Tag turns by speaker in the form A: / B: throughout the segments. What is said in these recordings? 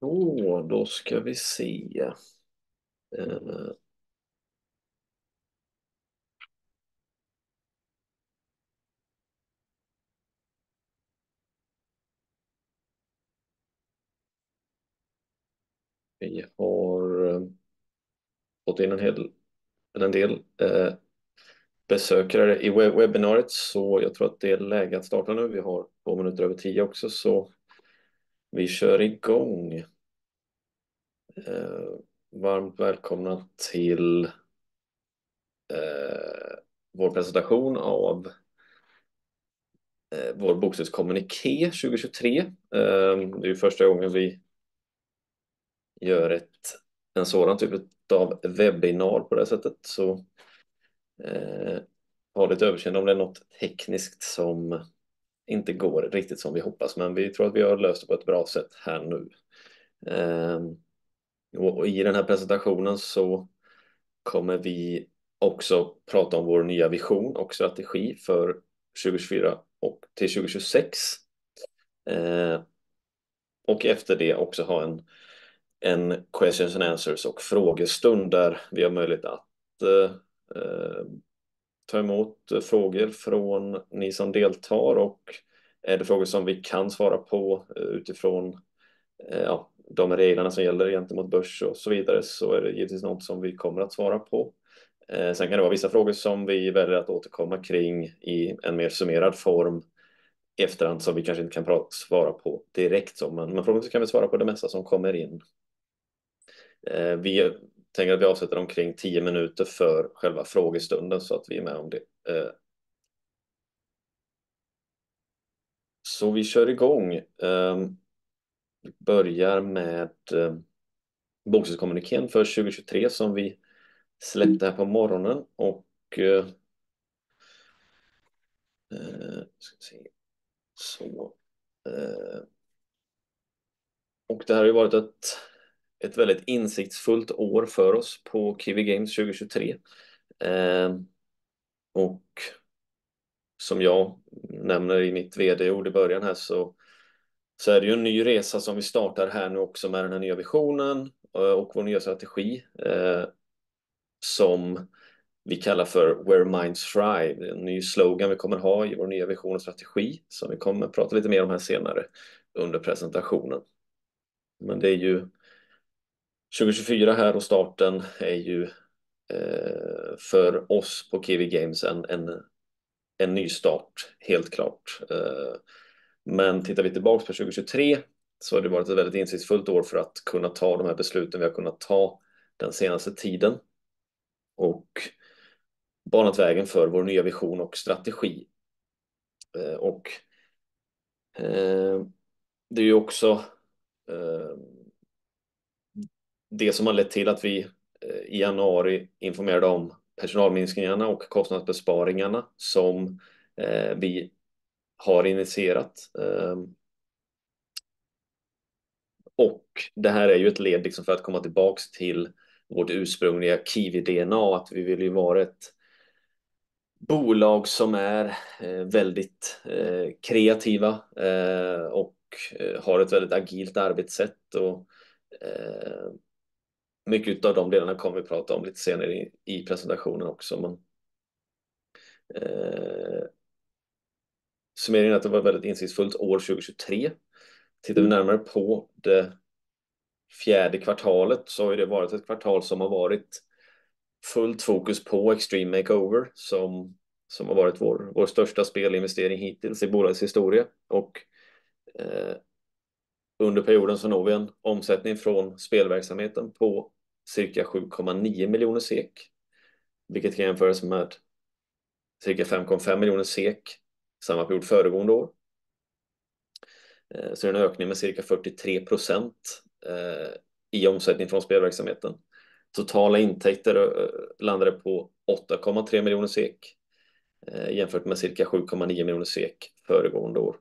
A: Så, då ska vi se. Vi har fått in en hel del besökare i webbinariet, så jag tror att det är läge att starta nu. Vi har två minuter över tio också, så vi kör igång. Varmt välkomna till vår presentation av vår bokstyrelsekommuniké 2023. Det är ju första gången vi gör en sådan typ av webbinar på det här sättet, så ha lite överseende om det är något tekniskt som inte går riktigt som vi hoppas, men vi tror att vi har löst det på ett bra sätt här nu. I den här presentationen så kommer vi också prata om vår nya vision och strategi för 2024 och till 2026. Och efter det också ha en questions and answers och frågestund där vi har möjlighet att ta emot frågor från ni som deltar, och är det frågor som vi kan svara på utifrån de reglerna som gäller gentemot börs och så vidare, så är det givetvis något som vi kommer att svara på. Sen kan det vara vissa frågor som vi väljer att återkomma kring i en mer summerad form efterhand som vi kanske inte kan svara på direkt, men förhoppningsvis kan vi svara på det mesta som kommer in. Vi tänker att vi avsätter omkring tio minuter för själva frågestunden så att vi är med om det. Vi kör igång. Vi börjar med bokstyrelsekommunikén för 2023 som vi släppte här på morgonen, och det här har ju varit ett väldigt insiktsfullt år för oss på Qiiwi Games 2023. Och som jag nämner i mitt VD-ord i början här, så är det ju en ny resa som vi startar här nu också med den här nya visionen och vår nya strategi, som vi kallar för Where Minds Thrive. Det är en ny slogan vi kommer ha i vår nya vision och strategi som vi kommer prata lite mer om här senare under presentationen. Men det är ju 2024 här och starten är ju, för oss på Qiiwi Games en nystart helt klart. Men tittar vi tillbaka på 2023 så har det varit ett väldigt insiktsfullt år för att kunna ta de här besluten vi har kunnat ta den senaste tiden och banat vägen för vår nya vision och strategi. Det är ju också det som har lett till att vi i januari informerade om personalminskningarna och kostnadsbesparingarna som vi har initierat. Och det här är ju ett led liksom för att komma tillbaka till vårt ursprungliga Qiiwi DNA, att vi vill ju vara ett bolag som är väldigt kreativa och har ett väldigt agilt arbetssätt. Mycket av de delarna kommer vi prata om lite senare i presentationen också. Men summeringen är att det var ett väldigt insiktsfullt år 2023. Tittar vi närmare på det fjärde kvartalet så har ju det varit ett kvartal som har varit fullt fokus på Extreme Makeover som har varit vår största spelinvestering hittills i bolagets historia. Under perioden så når vi en omsättning från spelverksamheten på cirka 7,9 miljoner SEK, vilket kan jämföras med cirka 5,5 miljoner SEK samma period föregående år. Det är en ökning med cirka 43% i omsättning från spelverksamheten. Totala intäkter landade på 8,3 miljoner SEK, jämfört med cirka 7,9 miljoner SEK föregående år.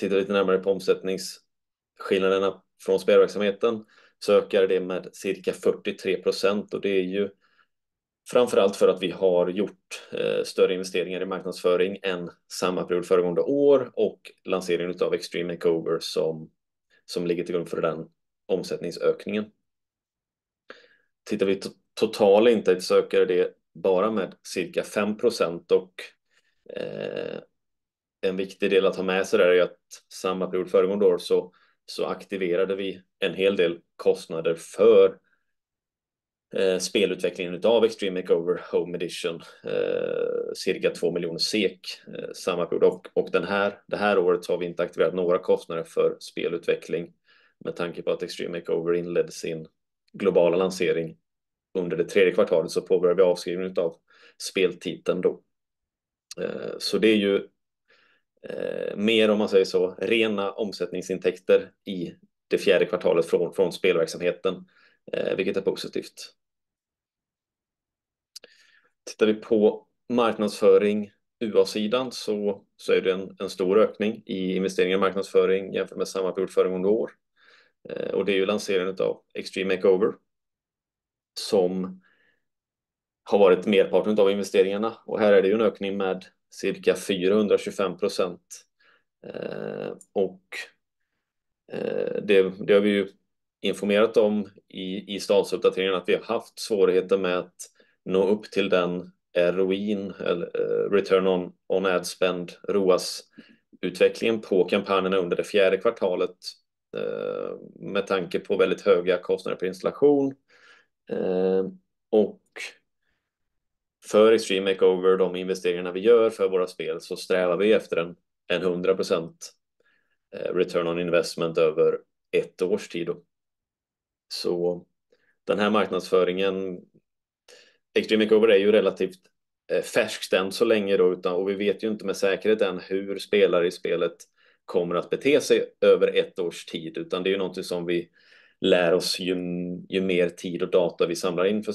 A: Tittar vi lite närmare på omsättningsskillnaderna från spelverksamheten så ökar det med cirka 43%. Det är ju framförallt för att vi har gjort större investeringar i marknadsföring än samma period föregående år och lanseringen av Extreme Makeover som ligger till grund för den omsättningsökningen. Tittar vi på totala intäktsökningen är det bara med cirka 5%. En viktig del att ha med sig där är ju att samma period föregående år så aktiverade vi en hel del kostnader för spelutvecklingen av Extreme Makeover Home Edition, cirka 2 miljoner SEK samma period. Det här året så har vi inte aktiverat några kostnader för spelutveckling med tanke på att Extreme Makeover inledde sin globala lansering under det tredje kvartalet. Så påbörjade vi avskrivningen av speltiteln då. Så det är ju mer om man säger så rena omsättningsintäkter i det fjärde kvartalet från spelverksamheten, vilket är positivt. Tittar vi på marknadsföring UA-sidan så är det en stor ökning i investeringar i marknadsföring jämfört med samma period föregående år. Det är ju lanseringen av Extreme Makeover som har varit merparten av investeringarna. Här är det ju en ökning med cirka 425%. Det har vi ju informerat om i statsuppdateringen att vi har haft svårigheter med att nå upp till den ROI:n eller Return on Ad Spend, ROAS, utvecklingen på kampanjerna under det fjärde kvartalet, med tanke på väldigt höga kostnader per installation. För Extreme Makeover, de investeringar vi gör för våra spel så strävar vi efter en 100% Return on Investment över ett års tid då. Så den här marknadsföringen, Extreme Makeover är ju relativt färskt än så länge då, och vi vet ju inte med säkerhet än hur spelare i spelet kommer att bete sig över ett års tid. Det är ju någonting som vi lär oss ju, ju mer tid och data vi samlar in för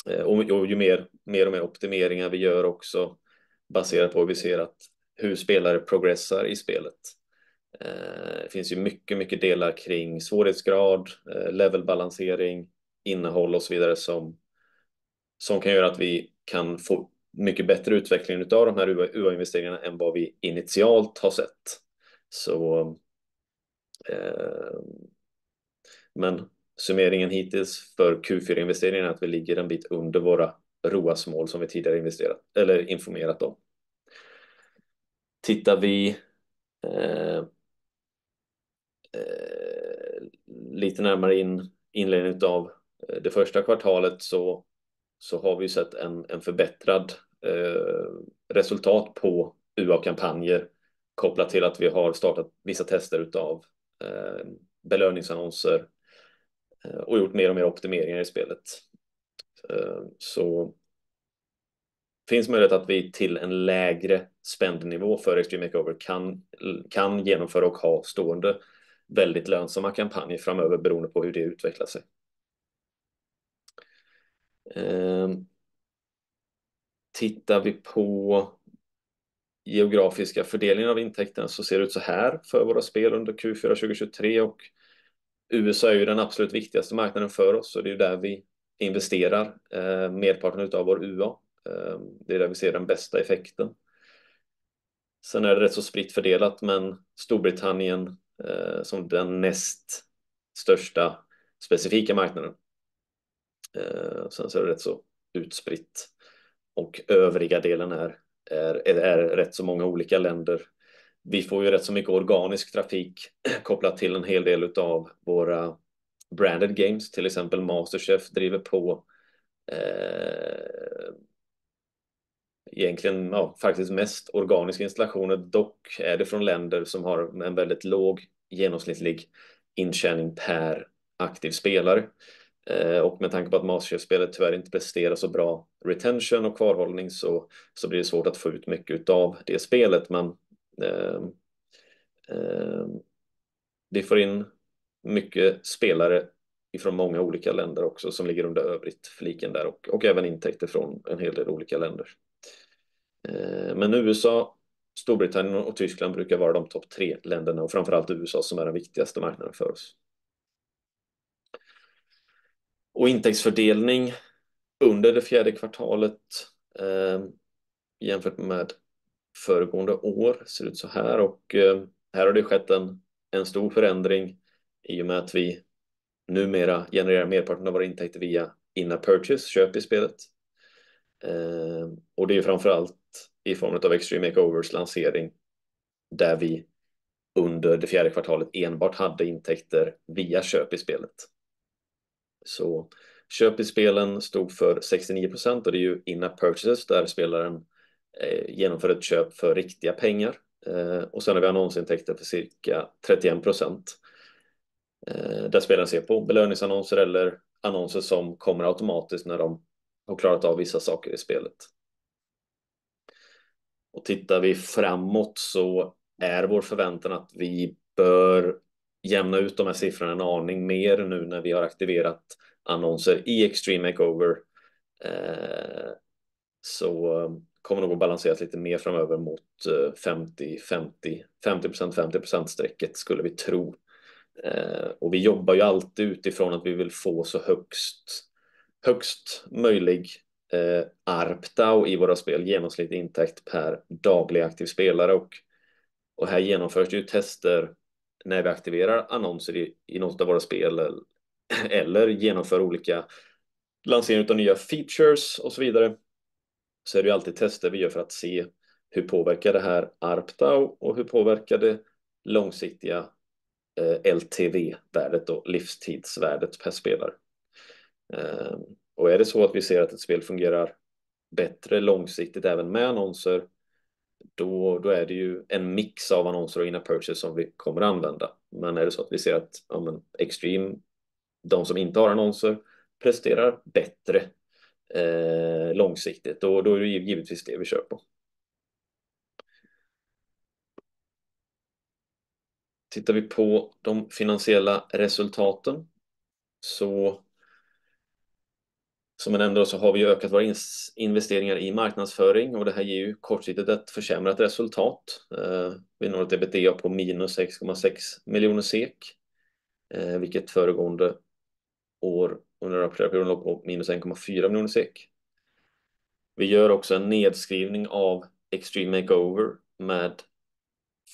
A: speltiteln. Ju mer och mer optimeringar vi gör också baserat på hur vi ser att hur spelare progressar i spelet. Det finns ju mycket, mycket delar kring svårighetsgrad, levelbalansering, innehåll och så vidare som kan göra att vi kan få mycket bättre utveckling av de här UA-investeringarna än vad vi initialt har sett. Men summeringen hittills för Q4-investeringen är att vi ligger en bit under våra ROAS-mål som vi tidigare investerat eller informerat om. Tittar vi lite närmare på inledningen av det första kvartalet så har vi sett en förbättrad resultat på UA-kampanjer kopplat till att vi har startat vissa tester av belöningsannonser och gjort mer och mer optimeringar i spelet. Finns möjlighet att vi till en lägre spendnivå för Extreme Makeover kan genomföra och ha stående väldigt lönsamma kampanjer framöver beroende på hur det utvecklar sig. Tittar vi på geografiska fördelningen av intäkten så ser det ut så här för våra spel under Q4 2023. USA är den absolut viktigaste marknaden för oss och det är där vi investerar merparten av vår UA. Det är där vi ser den bästa effekten. Sen är det rätt så spritt fördelat men Storbritannien som den näst största specifika marknaden. Sen är det rätt så utspritt och övriga delen är rätt så många olika länder. Vi får ju rätt så mycket organisk trafik kopplat till en hel del av våra branded games. Till exempel MasterChef driver på egentligen faktiskt mest organiska installationer. Dock är det från länder som har en väldigt låg genomsnittlig intjäning per aktiv spelare. Med tanke på att MasterChef-spelet tyvärr inte presterar så bra retention och kvarhållning så blir det svårt att få ut mycket av det spelet. Men vi får in mycket spelare från många olika länder också som ligger under övrigt-fliken där och även intäkter från en hel del olika länder. Men USA, Storbritannien och Tyskland brukar vara de topp tre länderna och framförallt USA som är den viktigaste marknaden för oss. Intäktsfördelning under det fjärde kvartalet jämfört med föregående år ser ut så här. Och här har det skett en stor förändring i och med att vi numera genererar merparten av våra intäkter via in-app purchase, köp i spelet. Det är ju framförallt i form av Extreme Makeovers lansering där vi under det fjärde kvartalet enbart hade intäkter via köp i spelet. Så köp i spelen stod för 69% och det är ju in-app purchases där spelaren genomför ett köp för riktiga pengar. Sen har vi annonsintäkter för cirka 31% där spelaren ser på belöningsannonser eller annonser som kommer automatiskt när de har klarat av vissa saker i spelet. Tittar vi framåt så är vår förväntan att vi bör jämna ut de här siffrorna en aning mer nu när vi har aktiverat annonser i Extreme Makeover. Så kommer det nog att balanseras lite mer framöver mot 50%-50%-strecket skulle vi tro. Och vi jobbar ju alltid utifrån att vi vill få så högst möjlig ARPDAW i våra spel, genomsnittlig intäkt per daglig aktiv spelare. Här genomförs det ju tester när vi aktiverar annonser i något av våra spel eller genomför olika lanseringar av nya features och så vidare. Så är det ju alltid tester vi gör för att se hur påverkar det här ARPDAW och hur påverkar det långsiktiga LTV-värdet och livstidsvärdet per spelare. Är det så att vi ser att ett spel fungerar bättre långsiktigt även med annonser, då är det ju en mix av annonser och inner purchase som vi kommer att använda. Men är det så att vi ser att de som inte har annonser presterar bättre långsiktigt, då är det ju givetvis det vi kör på. Tittar vi på de finansiella resultaten så, som jag nämnde då, så har vi ju ökat våra investeringar i marknadsföring och det här ger ju kortsiktigt ett försämrat resultat. Vi når ett EBITDA på minus 6,6 miljoner SEK, vilket föregående år under rapportperioden låg på minus 1,4 miljoner SEK. Vi gör också en nedskrivning av Extreme Makeover med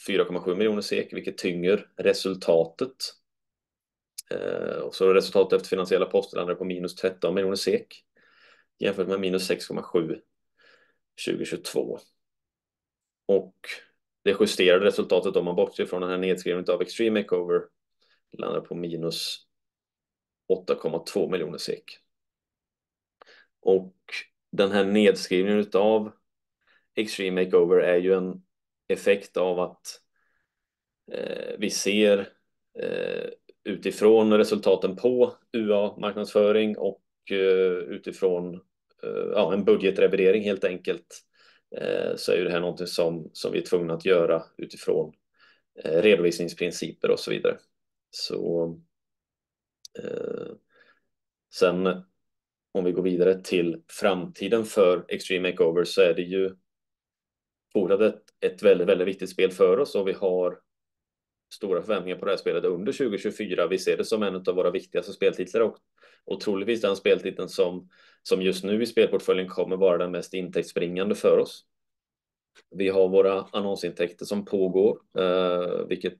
A: 4,7 miljoner SEK, vilket tynger resultatet. Resultatet efter finansiella poster landar på minus 13 miljoner SEK jämfört med minus 6,7 2022. Det justerade resultatet, om man bortser från den här nedskrivningen av Extreme Makeover, landar på minus 8,2 miljoner SEK. Den här nedskrivningen av Extreme Makeover är ju en effekt av att vi ser utifrån resultaten på UA-marknadsföring och utifrån en budgetrevidering helt enkelt. Det här är ju någonting som vi är tvungna att göra utifrån redovisningsprinciper och så vidare. Sen, om vi går vidare till framtiden för Extreme Makeover, så är det ju fortsatt ett väldigt, väldigt viktigt spel för oss och vi har stora förväntningar på det här spelet under 2024. Vi ser det som en av våra viktigaste speltitlar och troligtvis den speltiteln som just nu i spelportföljen kommer vara den mest intäktsbringande för oss. Vi har våra annonsintäkter som pågår, vilket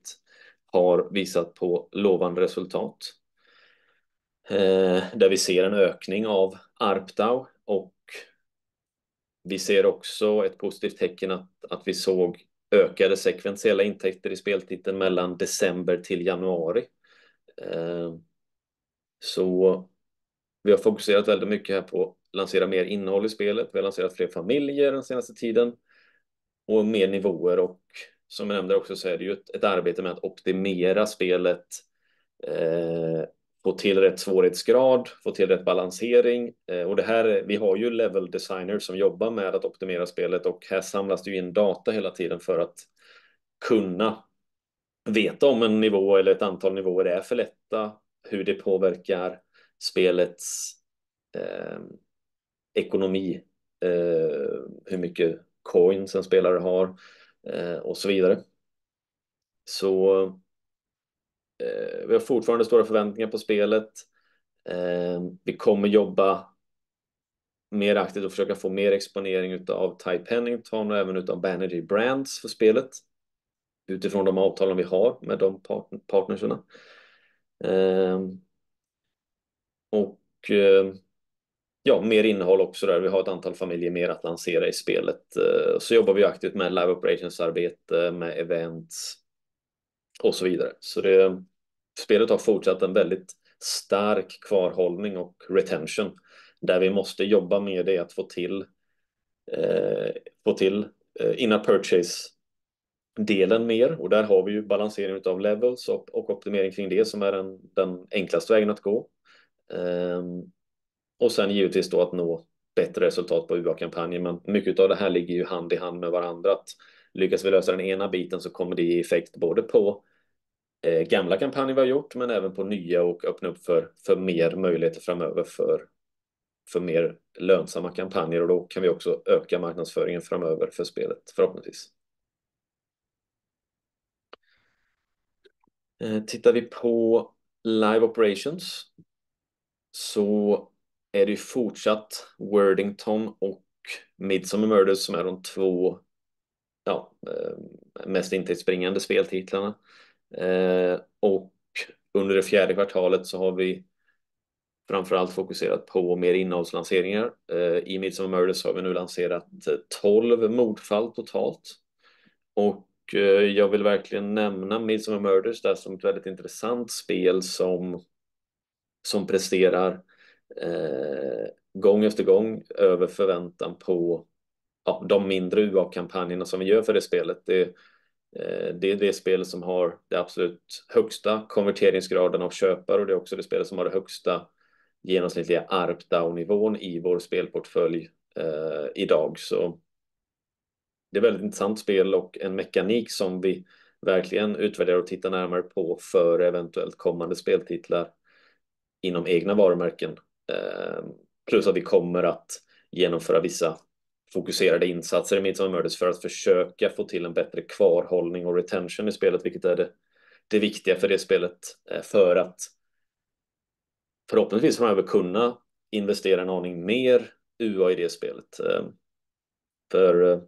A: har visat på lovande resultat där vi ser en ökning av ARPDAW och vi ser också ett positivt tecken att vi såg ökade sekventiella intäkter i speltiteln mellan december till januari. Vi har fokuserat väldigt mycket här på att lansera mer innehåll i spelet. Vi har lanserat fler familjer den senaste tiden och mer nivåer. Som jag nämnde också så är det ju ett arbete med att optimera spelet, få till rätt svårighetsgrad, få till rätt balansering. Och det här är, vi har ju level designers som jobbar med att optimera spelet och här samlas det ju in data hela tiden för att kunna veta om en nivå eller ett antal nivåer är för lätta, hur det påverkar spelets ekonomi, hur mycket coins en spelare har och så vidare. Så vi har fortfarande stora förväntningar på spelet. Vi kommer jobba mer aktivt och försöka få mer exponering av Ty Pennington och även av Banerjee Brands för spelet utifrån de avtalen vi har med de partnerserna. Ja, mer innehåll också där. Vi har ett antal familjer mer att lansera i spelet. Så jobbar vi ju aktivt med live operations-arbete, med events och så vidare. Så det spelet har fortsatt en väldigt stark kvarhållning och retention där vi måste jobba med det att få till in-app purchase-delen mer. Och där har vi ju balanseringen av levels och optimering kring det som är den enklaste vägen att gå. Och sen givetvis då att nå bättre resultat på UA-kampanjer. Men mycket av det här ligger ju hand i hand med varandra. Lyckas vi lösa den ena biten så kommer det ge effekt både på gamla kampanjer vi har gjort, men även på nya och öppna upp för mer möjligheter framöver för mer lönsamma kampanjer. Då kan vi också öka marknadsföringen framöver för spelet, förhoppningsvis. Tittar vi på live operations så är det ju fortsatt Wordington och Midsummer Murders som är de två mest intäktsspringande speltitlarna. Under det fjärde kvartalet så har vi framförallt fokuserat på mer innehållslanseringar. I Midsummer Murders har vi nu lanserat 12 modfall totalt. Och jag vill verkligen nämna Midsummer Murders där som ett väldigt intressant spel som presterar gång efter gång över förväntan på de mindre UA-kampanjerna som vi gör för det spelet. Det är det spel som har den absolut högsta konverteringsgraden av köpare och det är också det spel som har den högsta genomsnittliga ARPDAW-nivån i vår spelportfölj idag. Så det är ett väldigt intressant spel och en mekanik som vi verkligen utvärderar och tittar närmare på för eventuellt kommande speltitlar inom egna varumärken, plus att vi kommer att genomföra vissa fokuserade insatser i Midsummer Murders för att försöka få till en bättre kvarhållning och retention i spelet, vilket är det viktiga för det spelet. För att förhoppningsvis framöver kunna investera en aning mer UA i det spelet. För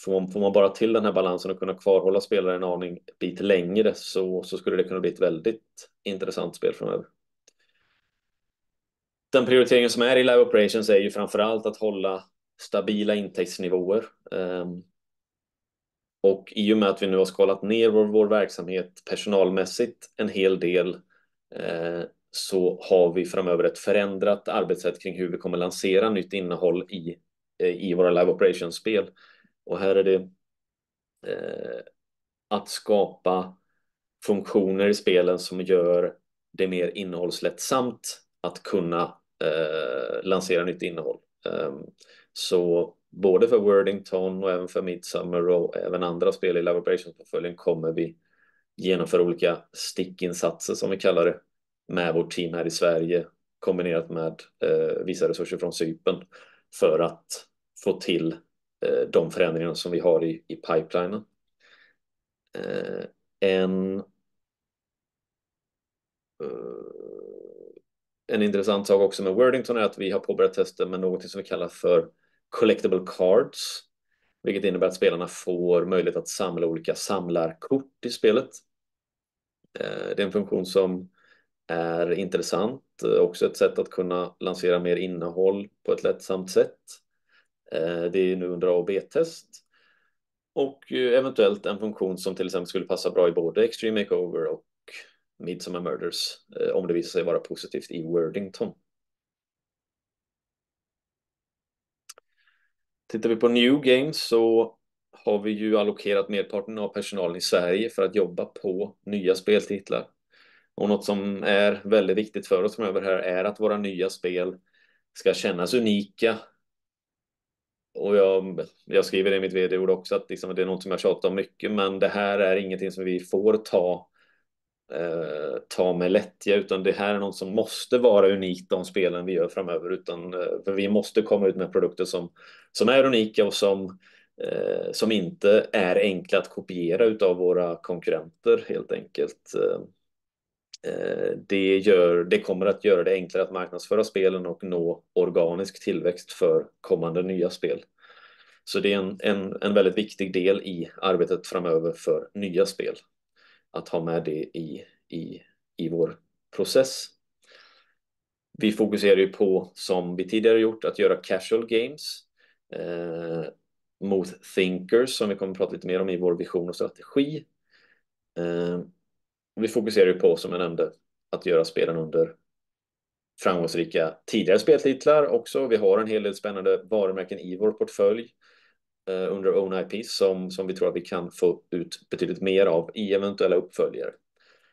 A: får man, får man bara till den här balansen och kunna kvarhålla spelare en aning bit längre så, så skulle det kunna bli ett väldigt intressant spel framöver. Den prioriteringen som är i live operations är ju framförallt att hålla stabila intäktsnivåer. Och i och med att vi nu har skalat ner vår verksamhet personalmässigt en hel del, så har vi framöver ett förändrat arbetssätt kring hur vi kommer lansera nytt innehåll i våra live operations-spel. Här är det att skapa funktioner i spelen som gör det mer innehållslätt samt att kunna lansera nytt innehåll. Så både för Wordington och även för Midsummer och även andra spel i live operations-portföljen kommer vi genomföra olika stickinsatser som vi kallar det med vårt team här i Sverige, kombinerat med vissa resurser från Cypern för att få till de förändringarna som vi har i pipelinen. En intressant sak också med Wordington är att vi har påbörjat tester med någonting som vi kallar för collectible cards, vilket innebär att spelarna får möjlighet att samla olika samlarkort i spelet. Det är en funktion som är intressant, också ett sätt att kunna lansera mer innehåll på ett lättsamt sätt. Det är nu under A och B-test och eventuellt en funktion som till exempel skulle passa bra i både Extreme Makeover och Midsummer Murders om det visar sig vara positivt i Wordington. Tittar vi på New Games så har vi allokerat merparten av personalen i Sverige för att jobba på nya speltitlar. Något som är väldigt viktigt för oss framöver här är att våra nya spel ska kännas unika. Och jag skriver det i mitt VD-ord också att det är något som jag tjatar om mycket, men det här är ingenting som vi får ta med lättja, utan det här är något som måste vara unikt de spelen vi gör framöver. För vi måste komma ut med produkter som är unika och som inte är enkla att kopiera av våra konkurrenter, helt enkelt. Det kommer att göra det enklare att marknadsföra spelen och nå organisk tillväxt för kommande nya spel. Så det är en väldigt viktig del i arbetet framöver för nya spel. Att ha med det i vår process. Vi fokuserar på, som vi tidigare gjort, att göra casual games. Mothinkers, som vi kommer prata lite mer om i vår vision och strategi. Vi fokuserar på, som jag nämnde, att göra spelen under framgångsrika tidigare speltitlar också. Vi har en hel del spännande varumärken i vår portfölj under Own IPs, som vi tror att vi kan få ut betydligt mer av i eventuella uppföljare.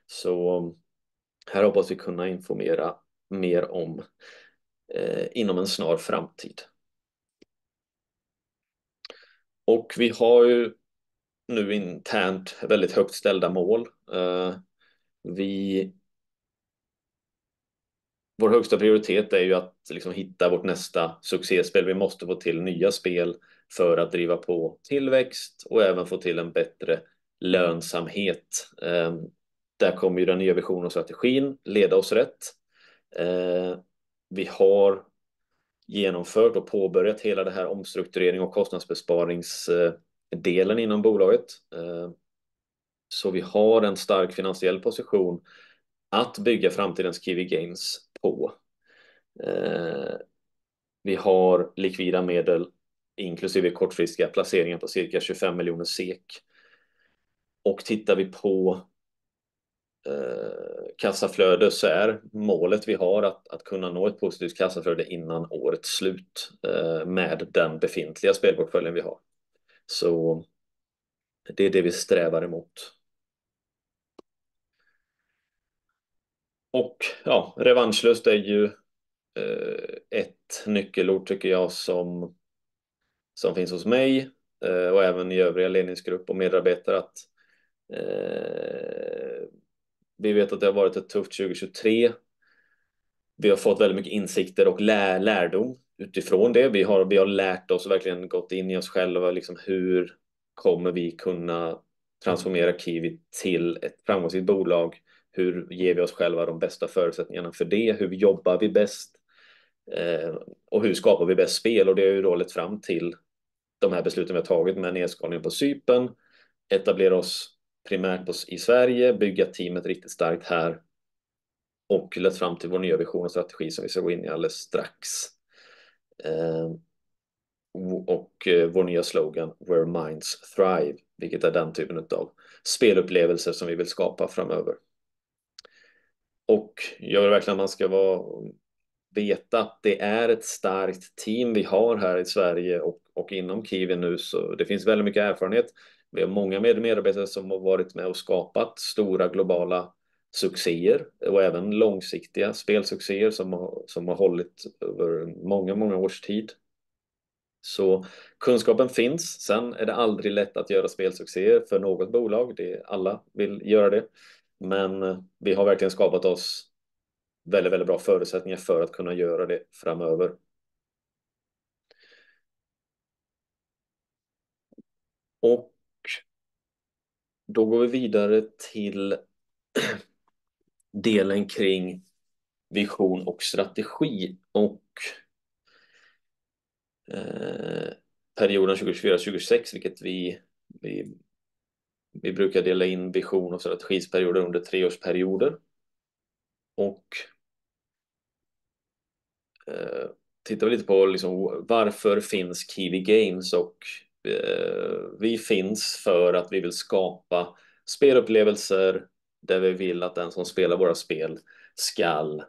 A: Så här hoppas vi kunna informera mer om inom en snar framtid. Vi har nu internt väldigt högt ställda mål. Vår högsta prioritet är att hitta vårt nästa succéspel. Vi måste få till nya spel för att driva på tillväxt och även få till en bättre lönsamhet. Där kommer den nya visionen och strategin leda oss rätt. Vi har genomfört och påbörjat hela omstruktureringen och kostnadsbesparingsdelen inom bolaget. Vi har en stark finansiell position att bygga framtidens Qiiwi Games på. Vi har likvida medel, inklusive kortfristiga placeringar på cirka 25 miljoner SEK. Och tittar vi på kassaflöde så är målet vi har att kunna nå ett positivt kassaflöde innan årets slut med den befintliga spelportföljen vi har. Så det är det vi strävar emot. Revanschlust är ju ett nyckelord, tycker jag, som finns hos mig och även i övriga ledningsgrupp och medarbetare. Vi vet att det har varit ett tufft 2023. Vi har fått väldigt mycket insikter och lärdom utifrån det. Vi har lärt oss och verkligen gått in i oss själva. Hur kommer vi kunna transformera Qiiwi till ett framgångsrikt bolag? Hur ger vi oss själva de bästa förutsättningarna för det? Hur jobbar vi bäst och hur skapar vi bäst spel? Det har ju då lett fram till de här besluten vi har tagit med nedskalningen på Cypern. Etablera oss primärt i Sverige. Bygga teamet riktigt starkt här. Och lett fram till vår nya vision och strategi som vi ska gå in i alldeles strax. Vår nya slogan "Where Minds Thrive", vilket är den typen av spelupplevelser som vi vill skapa framöver. Jag vill verkligen att man ska veta att det är ett starkt team vi har här i Sverige och inom Qiiwi nu. Det finns väldigt mycket erfarenhet. Vi har många medarbetare som har varit med och skapat stora globala succéer och även långsiktiga spelsuccéer som har hållit över många, många års tid. Kunskapen finns. Sen är det aldrig lätt att göra spelsuccéer för något bolag. Det är alla vill göra det. Men vi har verkligen skapat oss väldigt, väldigt bra förutsättningar för att kunna göra det framöver. Då går vi vidare till delen kring vision och strategi och perioden 2024-2026, vilket vi brukar dela in vision och strategiperioder under treårsperioder. Och tittar vi lite på liksom varför finns Qiiwi Games? Och vi finns för att vi vill skapa spelupplevelser där vi vill att den som spelar våra spel ska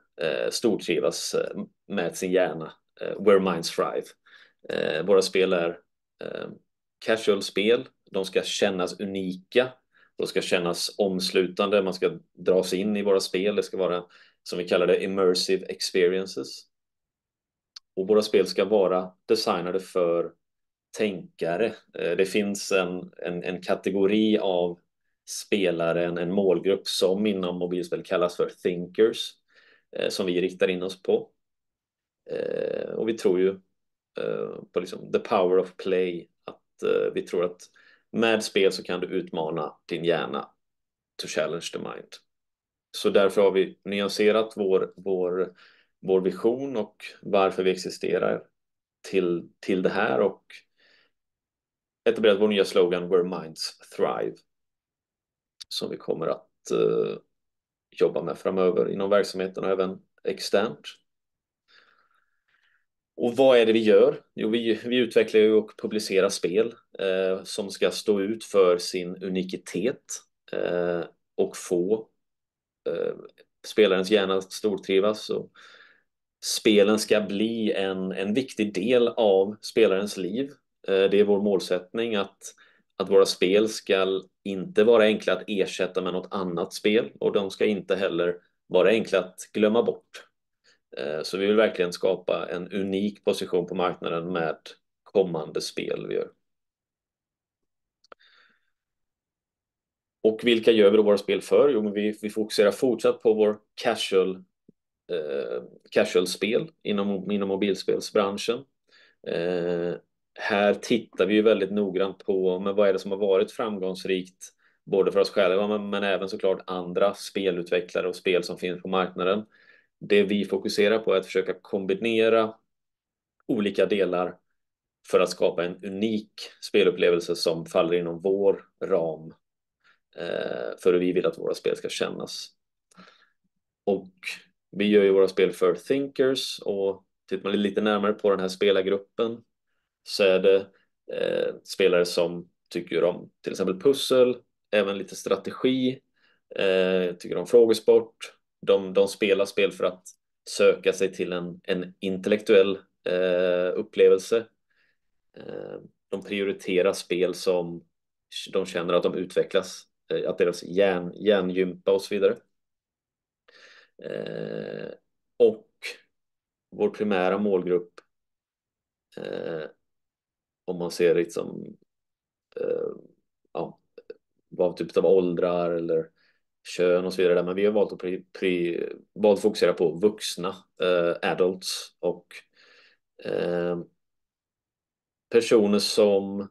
A: stortrivas med sin hjärna. "Where Minds Thrive". Våra spel är casual spel. De ska kännas unika. De ska kännas omslutande. Man ska dras in i våra spel. Det ska vara som vi kallar det "immersive experiences". Och våra spel ska vara designade för tänkare. Det finns en kategori av spelare, en målgrupp som inom mobilspel kallas för "thinkers", som vi riktar in oss på. Och vi tror ju på "the power of play". Att vi tror att med spel så kan du utmana din hjärna "to challenge the mind". Så därför har vi nyanserat vår vision och varför vi existerar till det här. Och etablerat vår nya slogan "Where Minds Thrive", som vi kommer att jobba med framöver inom verksamheten och även externt. Vad är det vi gör? Vi utvecklar och publicerar spel som ska stå ut för sin unikhet och få spelarens hjärna att stortrivas. Spelen ska bli en viktig del av spelarens liv. Det är vår målsättning att våra spel ska inte vara enkla att ersätta med något annat spel. De ska inte heller vara enkla att glömma bort. Vi vill verkligen skapa en unik position på marknaden med kommande spel vi gör. Vilka gör vi då våra spel för? Vi fokuserar fortsatt på vårt casual spel inom mobilspelsbranschen. Här tittar vi väldigt noggrant på vad är det som har varit framgångsrikt både för oss själva men även såklart andra spelutvecklare och spel som finns på marknaden. Det vi fokuserar på är att försöka kombinera olika delar för att skapa en unik spelupplevelse som faller inom vår ram för hur vi vill att våra spel ska kännas. Vi gör våra spel för "thinkers". Tittar man lite närmare på den här spelargruppen så är det spelare som tycker om till exempel pussel, även lite strategi. De tycker om frågesport. De spelar spel för att söka sig till en intellektuell upplevelse. De prioriterar spel som de känner att de utvecklas, att deras hjärna gympar och så vidare. Och vår primära målgrupp, om man ser liksom vad typ av åldrar eller kön och så vidare där, men vi har valt att fokusera på vuxna, adults och personer som,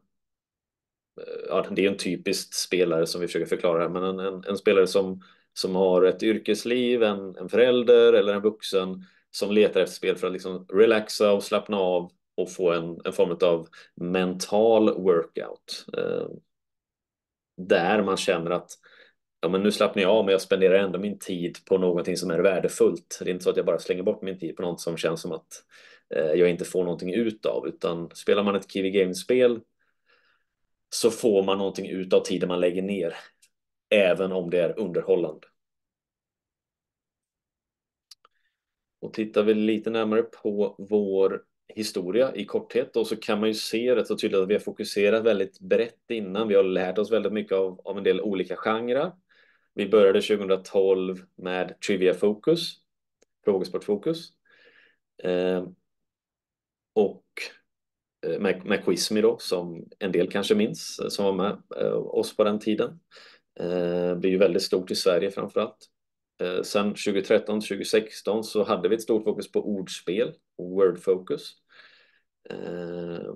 A: det är ju en typisk spelare som vi försöker förklara här, men en spelare som har ett yrkesliv, en förälder eller en vuxen som letar efter spel för att relaxa och slappna av och få en form av mental workout. Där man känner att nu slappnar jag av men jag spenderar ändå min tid på någonting som är värdefullt. Det är inte så att jag bara slänger bort min tid på något som känns som att jag inte får någonting ut av. Utan spelar man ett Qiiwi Games spel så får man någonting ut av tiden man lägger ner, även om det är underhållande. Och tittar vi lite närmare på vår historia i korthet så kan man ju se rätt så tydligt att vi har fokuserat väldigt brett innan. Vi har lärt oss väldigt mycket av en del olika genrer. Vi började 2012 med trivia fokus, frågesportfokus. Och med Quizmi då, som en del kanske minns, som var med oss på den tiden. Blir ju väldigt stort i Sverige framförallt. Sen 2013-2016 så hade vi ett stort fokus på ordspel, word focus.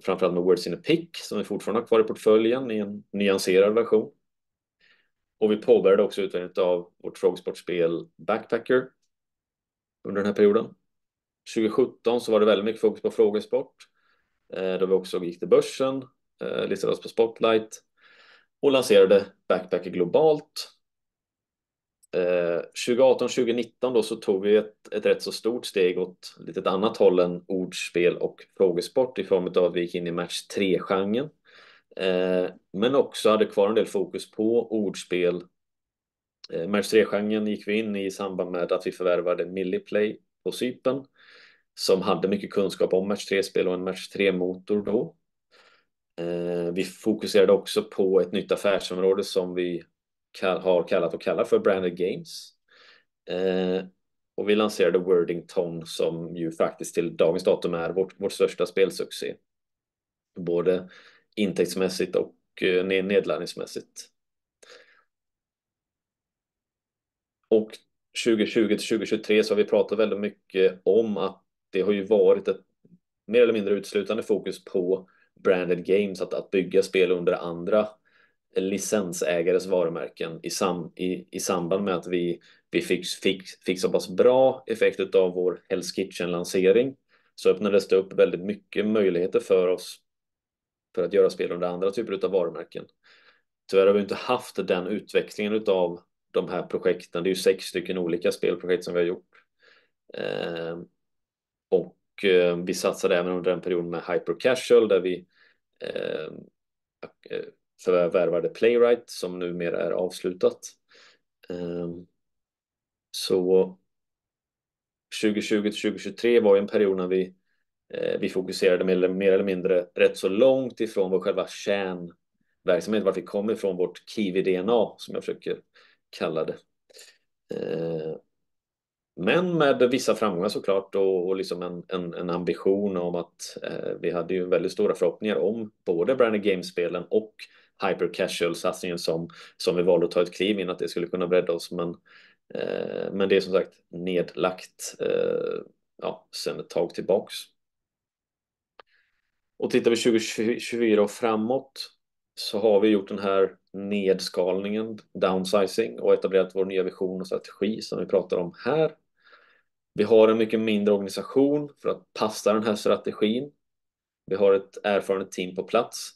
A: Framförallt med Words in a Pick, som vi fortfarande har kvar i portföljen i en nyanserad version. Och vi påbörjade också utvecklingen av vårt frågesportspel Backpacker under den här perioden. 2017 så var det väldigt mycket fokus på frågesport, då vi också gick till börsen, listades på Spotlight och lanserade Backpacker globalt. 2018-2019 då så tog vi ett rätt så stort steg åt lite ett annat håll än ordspel och frågesport i form av att vi gick in i match 3-genren. Men också hade kvar en del fokus på ordspel. Match 3-genren gick vi in i samband med att vi förvärvade Milliplay på Cypern, som hade mycket kunskap om match 3-spel och en match 3-motor då. Vi fokuserade också på ett nytt affärsområde som vi har kallat och kallar för Branded Games. Vi lanserade Wordington, som ju faktiskt till dagens datum är vårt största spelsuccé, både intäktsmässigt och nedladdningsmässigt. 2020-2023 så har vi pratat väldigt mycket om att det har ju varit ett mer eller mindre uteslutande fokus på Branded Games, att bygga spel under andra licensägares varumärken. I samband med att vi fick så pass bra effekt av vår Hell's Kitchen-lansering så öppnades det upp väldigt mycket möjligheter för oss för att göra spel under andra typer av varumärken. Tyvärr har vi inte haft den utvecklingen av de här projekten. Det är ju sex stycken olika spelprojekt som vi har gjort. Vi satsade även under den perioden med Hyper Casual, där vi förvärvade Playwright, som numera är avslutat. Så 2020-2023 var ju en period när vi fokuserade mer eller mindre rätt så långt ifrån vår själva kärnverksamhet, vart vi kom ifrån vårt Qiiwi-DNA, som jag försöker kalla det. Men med vissa framgångar såklart och en ambition om att, vi hade ju väldigt stora förhoppningar om både Branded Games-spelen och Hyper Casual-satsningen, som vi valde att ta ett kliv in att det skulle kunna bredda oss. Men det är som sagt nedlagt sen ett tag tillbaka. Och tittar vi 2024 och framåt så har vi gjort den här nedskalningen, downsizing, och etablerat vår nya vision och strategi som vi pratar om här. Vi har en mycket mindre organisation för att passa den här strategin. Vi har ett erfarenhetsteam på plats.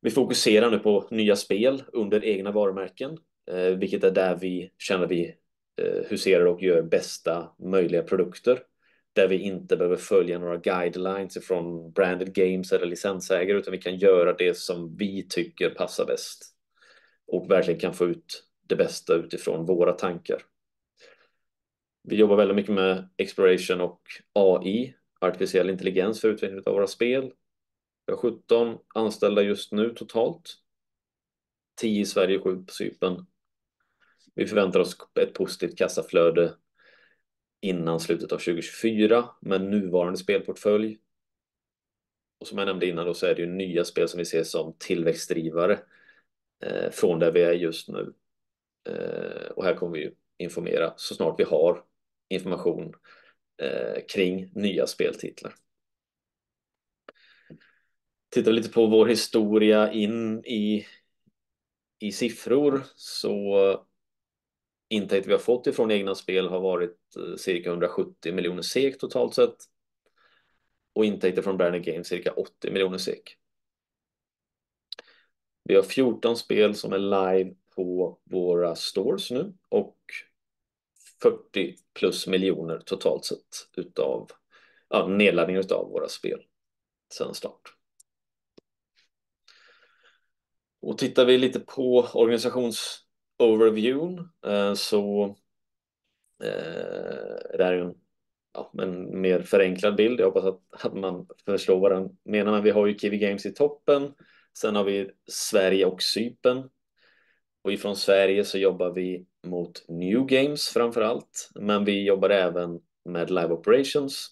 A: Vi fokuserar nu på nya spel under egna varumärken, vilket är där vi känner att vi huserar och gör bästa möjliga produkter. Där vi inte behöver följa några guidelines ifrån Branded Games eller licensägare, utan vi kan göra det som vi tycker passar bäst och verkligen kan få ut det bästa utifrån våra tankar. Vi jobbar väldigt mycket med exploration och AI, artificiell intelligens för utveckling av våra spel. Vi har 17 anställda just nu totalt, 10 i Sverige och 7 på Cypern. Vi förväntar oss ett positivt kassaflöde innan slutet av 2024 med nuvarande spelportfölj. Och som jag nämnde innan så är det ju nya spel som vi ser som tillväxtdrivare från där vi är just nu. Och här kommer vi ju informera så snart vi har information kring nya speltitlar. Tittar vi lite på vår historia in i siffror så har intäkter vi har fått ifrån egna spel varit cirka SEK 170 miljoner totalt sett. Och intäkter från Branded Games cirka SEK 80 miljoner. Vi har 14 spel som är live på våra stores nu och 40+ miljoner totalt sett av nedladdningar av våra spel sedan start. Och tittar vi lite på organisationsöversikten så är det här ju en mer förenklad bild. Jag hoppas att man förstår vad den menar. Men vi har ju Qiiwi Games i toppen. Sen har vi Sverige och Cypern. Och ifrån Sverige så jobbar vi mot New Games framförallt. Men vi jobbar även med Live Operations.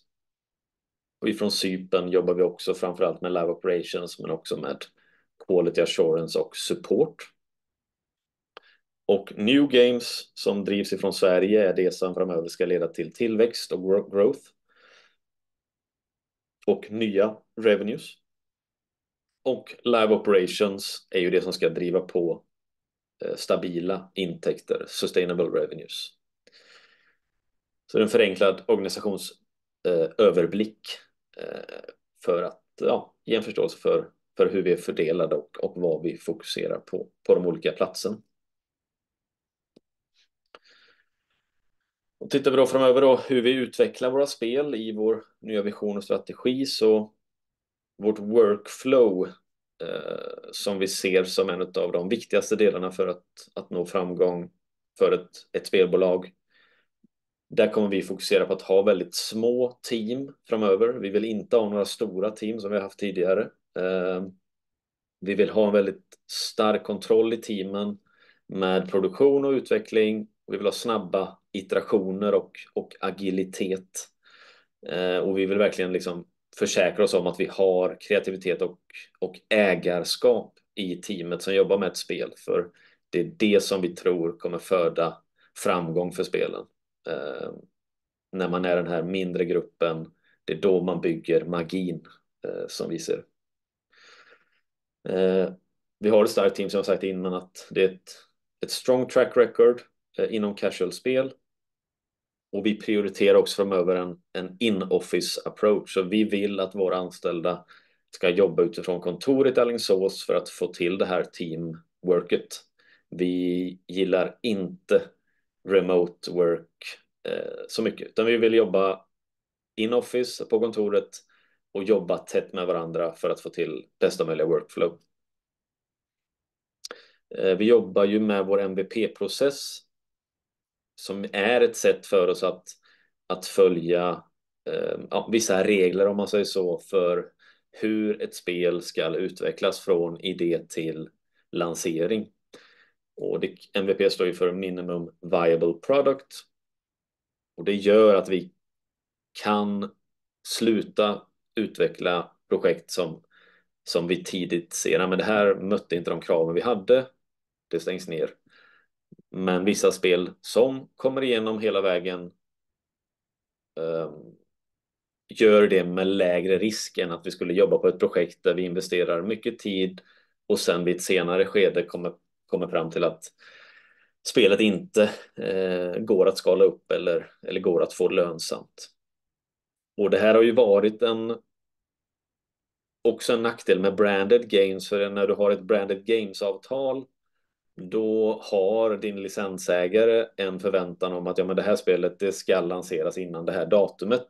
A: Och ifrån Cypern jobbar vi också framförallt med Live Operations men också med Quality Assurance och Support. Och New Games som drivs ifrån Sverige är det som framöver ska leda till tillväxt och growth. Och nya revenues. Och Live Operations är ju det som ska driva på stabila intäkter, sustainable revenues. Så det är en förenklad organisationsöverblick för att ge en förståelse för hur vi är fördelade och vad vi fokuserar på de olika platserna. Och tittar vi då framöver då hur vi utvecklar våra spel i vår nya vision och strategi så vårt workflow som vi ser som en av de viktigaste delarna för att nå framgång för ett spelbolag. Där kommer vi fokusera på att ha väldigt små team framöver. Vi vill inte ha några stora team som vi har haft tidigare. Vi vill ha en väldigt stark kontroll i teamen med produktion och utveckling. Vi vill ha snabba iterationer och agilitet, och vi vill verkligen försäkra oss om att vi har kreativitet och ägarskap i teamet som jobbar med ett spel. För det är det som vi tror kommer föda framgång för spelen. När man är den här mindre gruppen, det är då man bygger magin som vi ser. Vi har ett starkt team som jag har sagt innan att det är ett strong track record inom casual spel. Och vi prioriterar också framöver en in-office approach. Så vi vill att våra anställda ska jobba utifrån kontoret i Alingsås för att få till det här teamworket. Vi gillar inte remote work så mycket, utan vi vill jobba in-office på kontoret och jobba tätt med varandra för att få till bästa möjliga workflow. Vi jobbar ju med vår MVP-process som är ett sätt för oss att följa vissa regler om man säger så för hur ett spel ska utvecklas från idé till lansering. MVP står ju för Minimum Viable Product. Det gör att vi kan sluta utveckla projekt som vi tidigt ser. Nej, men det här mötte inte de kraven vi hade. Det stängs ner. Men vissa spel som kommer igenom hela vägen gör det med lägre risk än att vi skulle jobba på ett projekt där vi investerar mycket tid och sen vid ett senare skede kommer fram till att spelet inte går att skala upp eller går att få lönsamt. Det här har ju varit en också en nackdel med Branded Games. För när du har ett Branded Games-avtal, då har din licensägare en förväntan om att det här spelet ska lanseras innan det här datumet.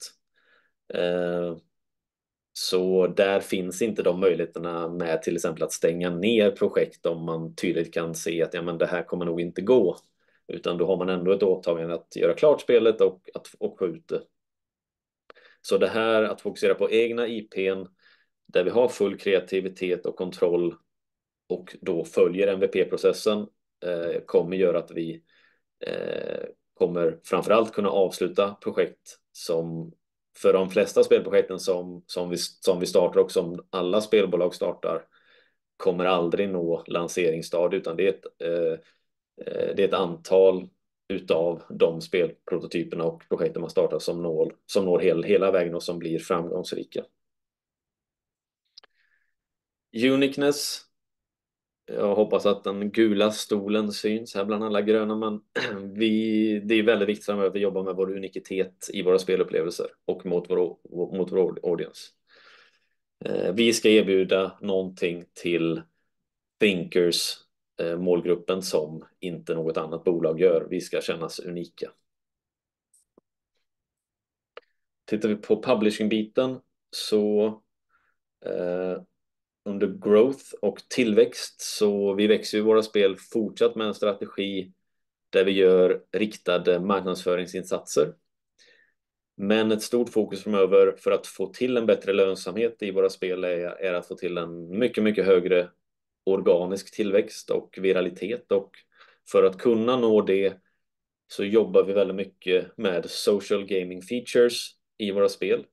A: Så där finns inte de möjligheterna med till exempel att stänga ner projekt om man tydligt kan se att det här kommer nog inte gå. Utan då har man ändå ett åtagande att göra klart spelet och få ut det. Det här att fokusera på egna IP:n där vi har full kreativitet och kontroll och då följer MVP-processen kommer göra att vi kommer framförallt kunna avsluta projekt som för de flesta spelprojekten som vi startar och som alla spelbolag startar kommer aldrig nå lanseringsstadiet. Utan det är ett antal av de spelprototyperna och projekten man startar som når hela vägen och som blir framgångsrika. Uniqueness. Jag hoppas att den gula stolen syns här bland alla gröna. Men vi, det är väldigt viktigt framöver att jobba med vår unikitet i våra spelupplevelser och mot vår audience. Vi ska erbjuda någonting till thinkers, målgruppen som inte något annat bolag gör. Vi ska kännas unika. Tittar vi på publishing-biten så under growth och tillväxt så vi växer ju våra spel fortsatt med en strategi där vi gör riktade marknadsföringsinsatser. Men ett stort fokus framöver för att få till en bättre lönsamhet i våra spel är att få till en mycket, mycket högre organisk tillväxt och viralitet. Och för att kunna nå det så jobbar vi väldigt mycket med social gaming features i våra spel.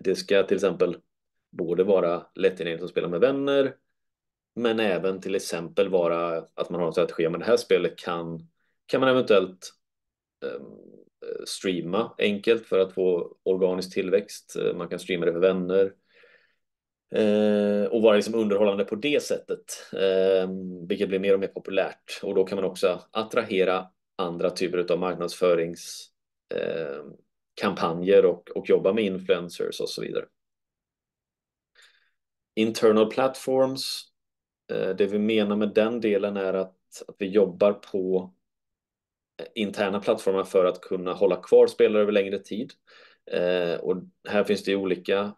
A: Det ska till exempel både vara lätt att spela med vänner, men även till exempel vara att man har en strategi om att det här spelet kan man eventuellt streama enkelt för att få organisk tillväxt. Man kan streama det för vänner och vara underhållande på det sättet, vilket blir mer och mer populärt. Och då kan man också attrahera andra typer av marknadsföringskampanjer och jobba med influencers och så vidare. Internal platforms. Det vi menar med den delen är att vi jobbar på interna plattformar för att kunna hålla kvar spelare över längre tid. Här finns det ju olika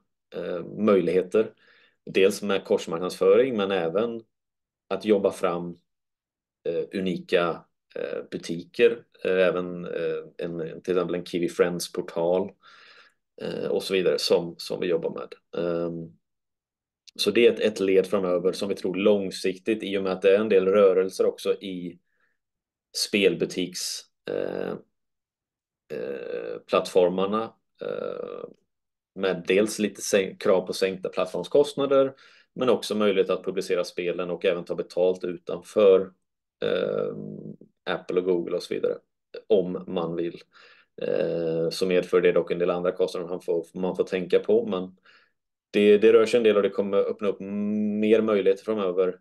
A: möjligheter. Dels med korsmarknadsföring, men även att jobba fram unika butiker. Även en till exempel en Kiwi Friends-portal och så vidare som vi jobbar med. Så det är ett led framöver som vi tror långsiktigt i och med att det är en del rörelser också i spelbutiksplattformarna. Med dels lite krav på sänkta plattformskostnader, men också möjlighet att publicera spelen och även ta betalt utanför Apple och Google och så vidare. Om man vill. Som medför det dock en del andra kostnader man får tänka på. Men det rör sig en del och det kommer öppna upp mer möjligheter framöver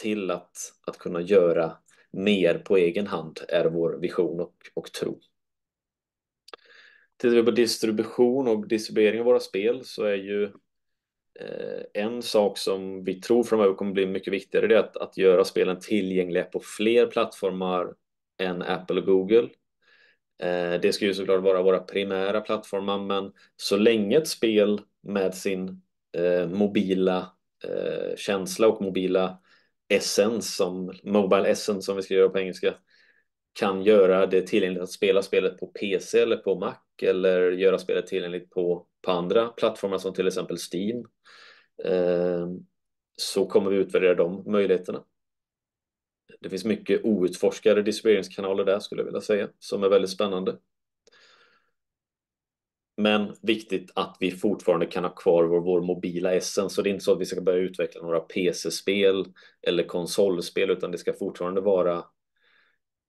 A: till att kunna göra mer på egen hand är vår vision och tro. Tittar vi på distribution och distribuering av våra spel så är ju en sak som vi tror framöver kommer bli mycket viktigare. Det är att göra spelen tillgängliga på fler plattformar än Apple och Google. Det ska ju såklart vara våra primära plattformar, men så länge ett spel med sin mobila känsla och mobila essens, som mobile essence som vi ska göra på engelska, kan göra det tillgängligt att spela spelet på PC eller på Mac eller göra spelet tillgängligt på andra plattformar som till exempel Steam, så kommer vi utvärdera de möjligheterna. Det finns mycket outforskade distribueringskanaler där skulle jag vilja säga som är väldigt spännande. Men viktigt att vi fortfarande kan ha kvar vår mobila essens. Så det är inte så att vi ska börja utveckla några PC-spel eller konsolspel, utan det ska fortfarande vara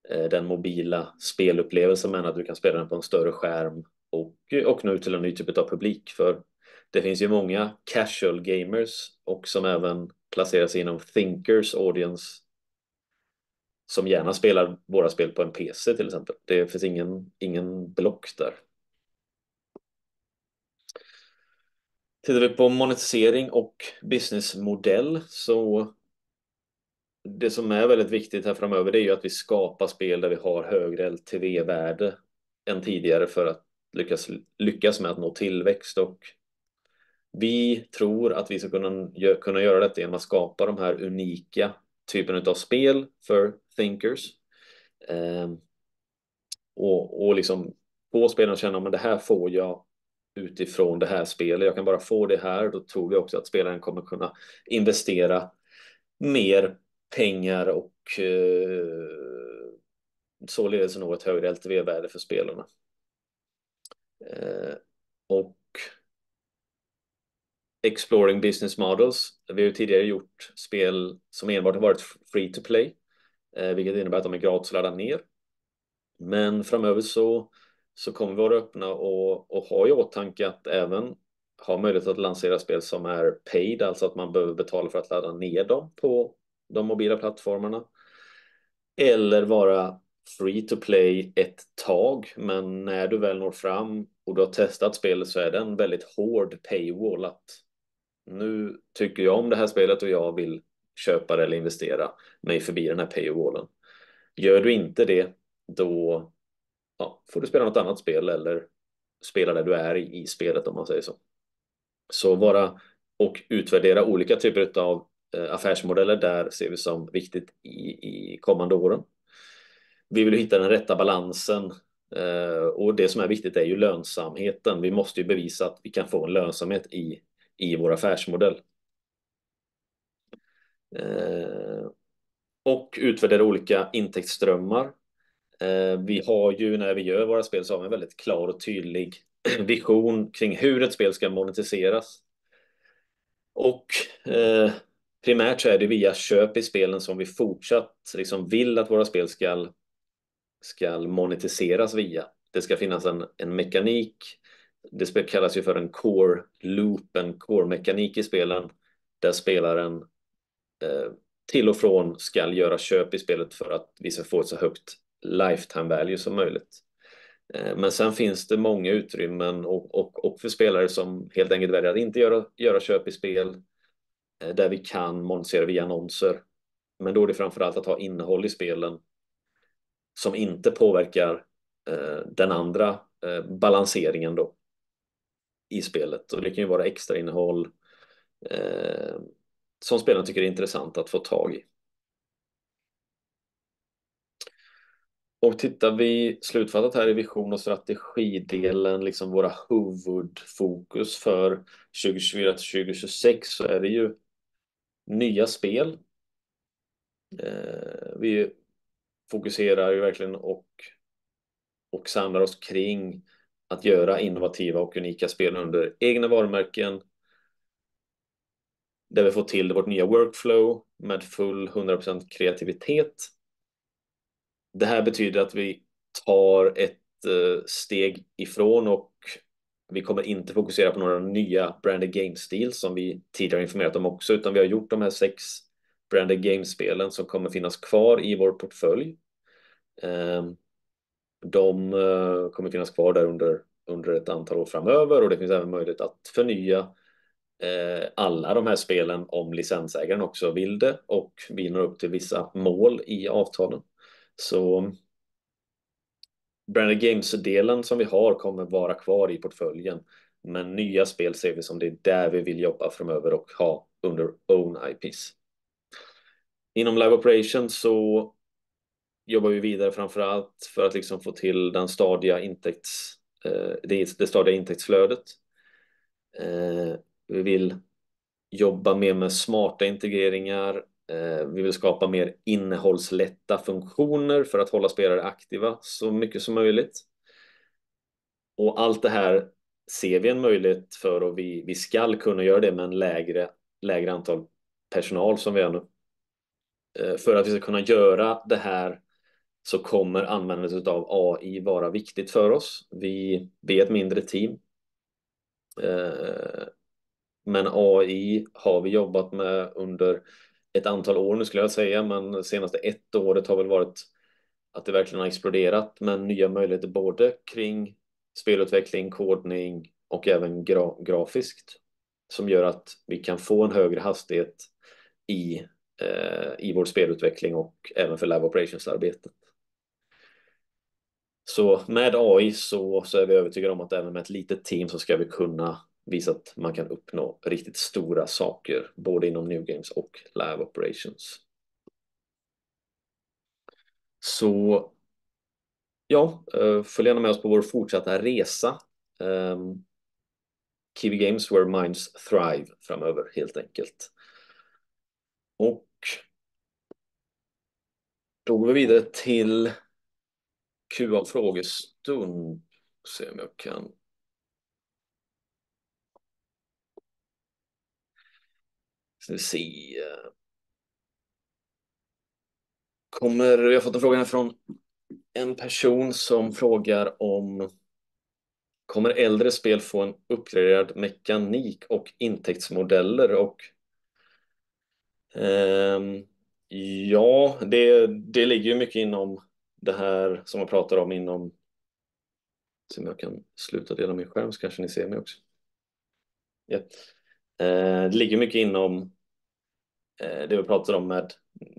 A: den mobila spelupplevelsen. Men att du kan spela den på en större skärm och nå ut till en ny typ av publik. För det finns ju många casual gamers som även placerar sig inom Thinkers audience som gärna spelar våra spel på en PC till exempel. Det finns ingen block där. Tittar vi på monetisering och businessmodell så det som är väldigt viktigt här framöver det är ju att vi skapar spel där vi har högre LTV-värde än tidigare för att lyckas med att nå tillväxt. Vi tror att vi ska kunna göra detta genom att skapa de här unika typerna av spel för Thinkers. Få spelaren att känna att det här får jag utifrån det här spelet. Jag kan bara få det här. Då tror vi också att spelaren kommer kunna investera mer pengar och således nå ett högre LTV-värde för spelarna. Exploring business models. Vi har ju tidigare gjort spel som enbart har varit free to play, vilket innebär att de är gratis att ladda ner. Men framöver så kommer vi vara öppna och ha i åtanke att även ha möjlighet att lansera spel som är paid. Alltså att man behöver betala för att ladda ner dem på de mobila plattformarna. Eller vara free to play ett tag. Men när du väl når fram och du har testat spelet så är det en väldigt hård paywall. Att nu tycker jag om det här spelet och jag vill köpa det eller investera mig förbi den här paywallen. Gör du inte det då får du spela något annat spel eller spela där du är i spelet om man säger så. Så att vara och utvärdera olika typer av affärsmodeller där ser vi som viktigt i kommande åren. Vi vill ju hitta den rätta balansen. Och det som är viktigt är ju lönsamheten. Vi måste ju bevisa att vi kan få en lönsamhet i vår affärsmodell och utvärdera olika intäktsströmmar. Vi har ju när vi gör våra spel så har vi en väldigt klar och tydlig vision kring hur ett spel ska monetiseras. Och primärt så är det ju via köp i spelen som vi fortsatt vill att våra spel ska monetiseras via. Det ska finnas en mekanik. Det kallas ju för en core loop, en core mekanik i spelen. Där spelaren till och från ska göra köp i spelet för att vi ska få ett så högt lifetime value som möjligt. Men sen finns det många utrymmen för spelare som helt enkelt väljer att inte göra köp i spel, där vi kan monetisera via annonser. Men då är det framförallt att ha innehåll i spelen som inte påverkar den andra balanseringen då i spelet. Det kan ju vara extra innehåll som spelaren tycker är intressant att få tag i. Tittar vi slutfattat här i vision och strategidelen, liksom våra huvudfokus för 2024 till 2026, så är det ju nya spel. Vi fokuserar ju verkligen och samlar oss kring att göra innovativa och unika spel under egna varumärken. Där vi får till vårt nya workflow med full 100% kreativitet. Det här betyder att vi tar ett steg ifrån och vi kommer inte fokusera på några nya branded game steels som vi tidigare har informerat om också. Vi har gjort de här sex branded game spelen som kommer finnas kvar i vår portfölj. De kommer finnas kvar där under ett antal år framöver. Och det finns även möjlighet att förnya alla de här spelen om licensägaren också vill det och vi når upp till vissa mål i avtalen. Så branded game delen som vi har kommer vara kvar i portföljen. Men nya spel ser vi som det är där vi vill jobba framöver och ha under own IPs. Inom live operation så jobbar vi vidare framförallt för att få till det stadiga intäktsflödet. Vi vill jobba mer med smarta integreringar. Vi vill skapa mer innehållslättade funktioner för att hålla spelare aktiva så mycket som möjligt. Och allt det här ser vi en möjlighet för. Och vi ska kunna göra det med en lägre antal personal än vi har nu. För att vi ska kunna göra det här så kommer användandet av AI vara viktigt för oss. Vi är ett mindre team. Men AI har vi jobbat med under ett antal år nu skulle jag säga. Men senaste året har väl varit att det verkligen har exploderat. Men nya möjligheter både kring spelutveckling, kodning och även grafiskt. Som gör att vi kan få en högre hastighet i vår spelutveckling och även för live operations-arbetet. Så med AI så är vi övertygade om att även med ett litet team så ska vi kunna visa att man kan uppnå riktigt stora saker. Både inom new games och live operations. Så ja, följ gärna med oss på vår fortsatta resa. Kiwi Games, where minds thrive framöver helt enkelt. Då går vi vidare till QA-frågestund. Ska vi se om jag kan. Ska vi se. Vi har fått en fråga här från en person som frågar om kommer äldre spel få en uppgraderad mekanik och intäktsmodeller? Och ja, det ligger ju mycket inom det här som vi pratar om inom. Se om jag kan sluta dela min skärm så kanske ni ser mig också. Ja, det ligger ju mycket inom det vi pratar om med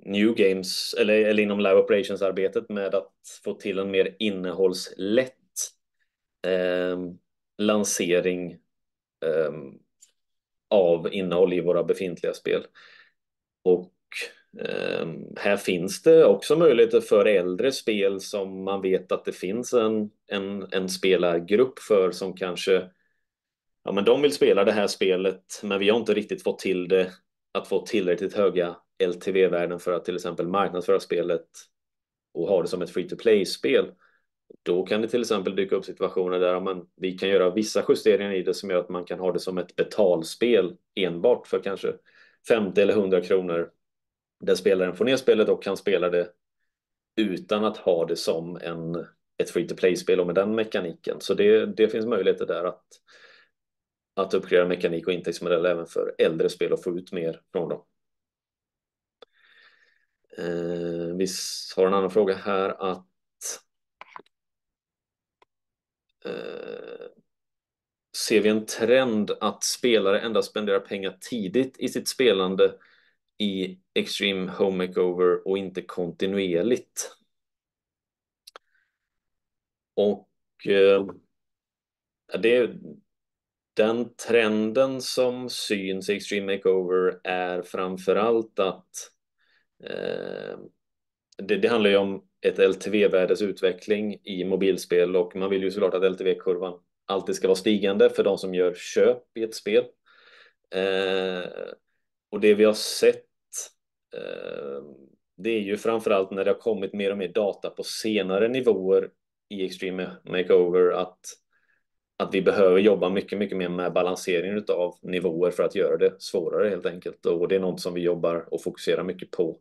A: new games eller inom live operations-arbetet med att få till en mer innehållslätt lansering av innehåll i våra befintliga spel. Här finns det också möjligheter för äldre spel som man vet att det finns en spelargrupp för som kanske, ja, men de vill spela det här spelet. Men vi har inte riktigt fått till det att få tillräckligt höga LTV-värden för att till exempel marknadsföra spelet och ha det som ett free-to-play-spel. Då kan det till exempel dyka upp situationer där, ja, men vi kan göra vissa justeringar i det som gör att man kan ha det som ett betalspel enbart för kanske 50 eller 100 kronor. Där spelaren får ner spelet och kan spela det utan att ha det som ett free-to-play-spel och med den mekaniken. Det finns möjligheter där att uppgradera mekanik och intäktsmodell även för äldre spel och få ut mer från dem. Vi har en annan fråga här. Ser vi en trend att spelare endast spenderar pengar tidigt i sitt spelande i Extreme Home Makeover och inte kontinuerligt? Det är den trenden som syns i Extreme Makeover framförallt. Det handlar om ett LTV-värdes utveckling i mobilspel och man vill såklart att LTV-kurvan alltid ska vara stigande för de som gör köp i ett spel. Det vi har sett, det är framförallt när det har kommit mer och mer data på senare nivåer i Extreme Makeover att vi behöver jobba mycket, mycket mer med balanseringen av nivåer för att göra det svårare helt enkelt. Och det är något som vi jobbar och fokuserar mycket på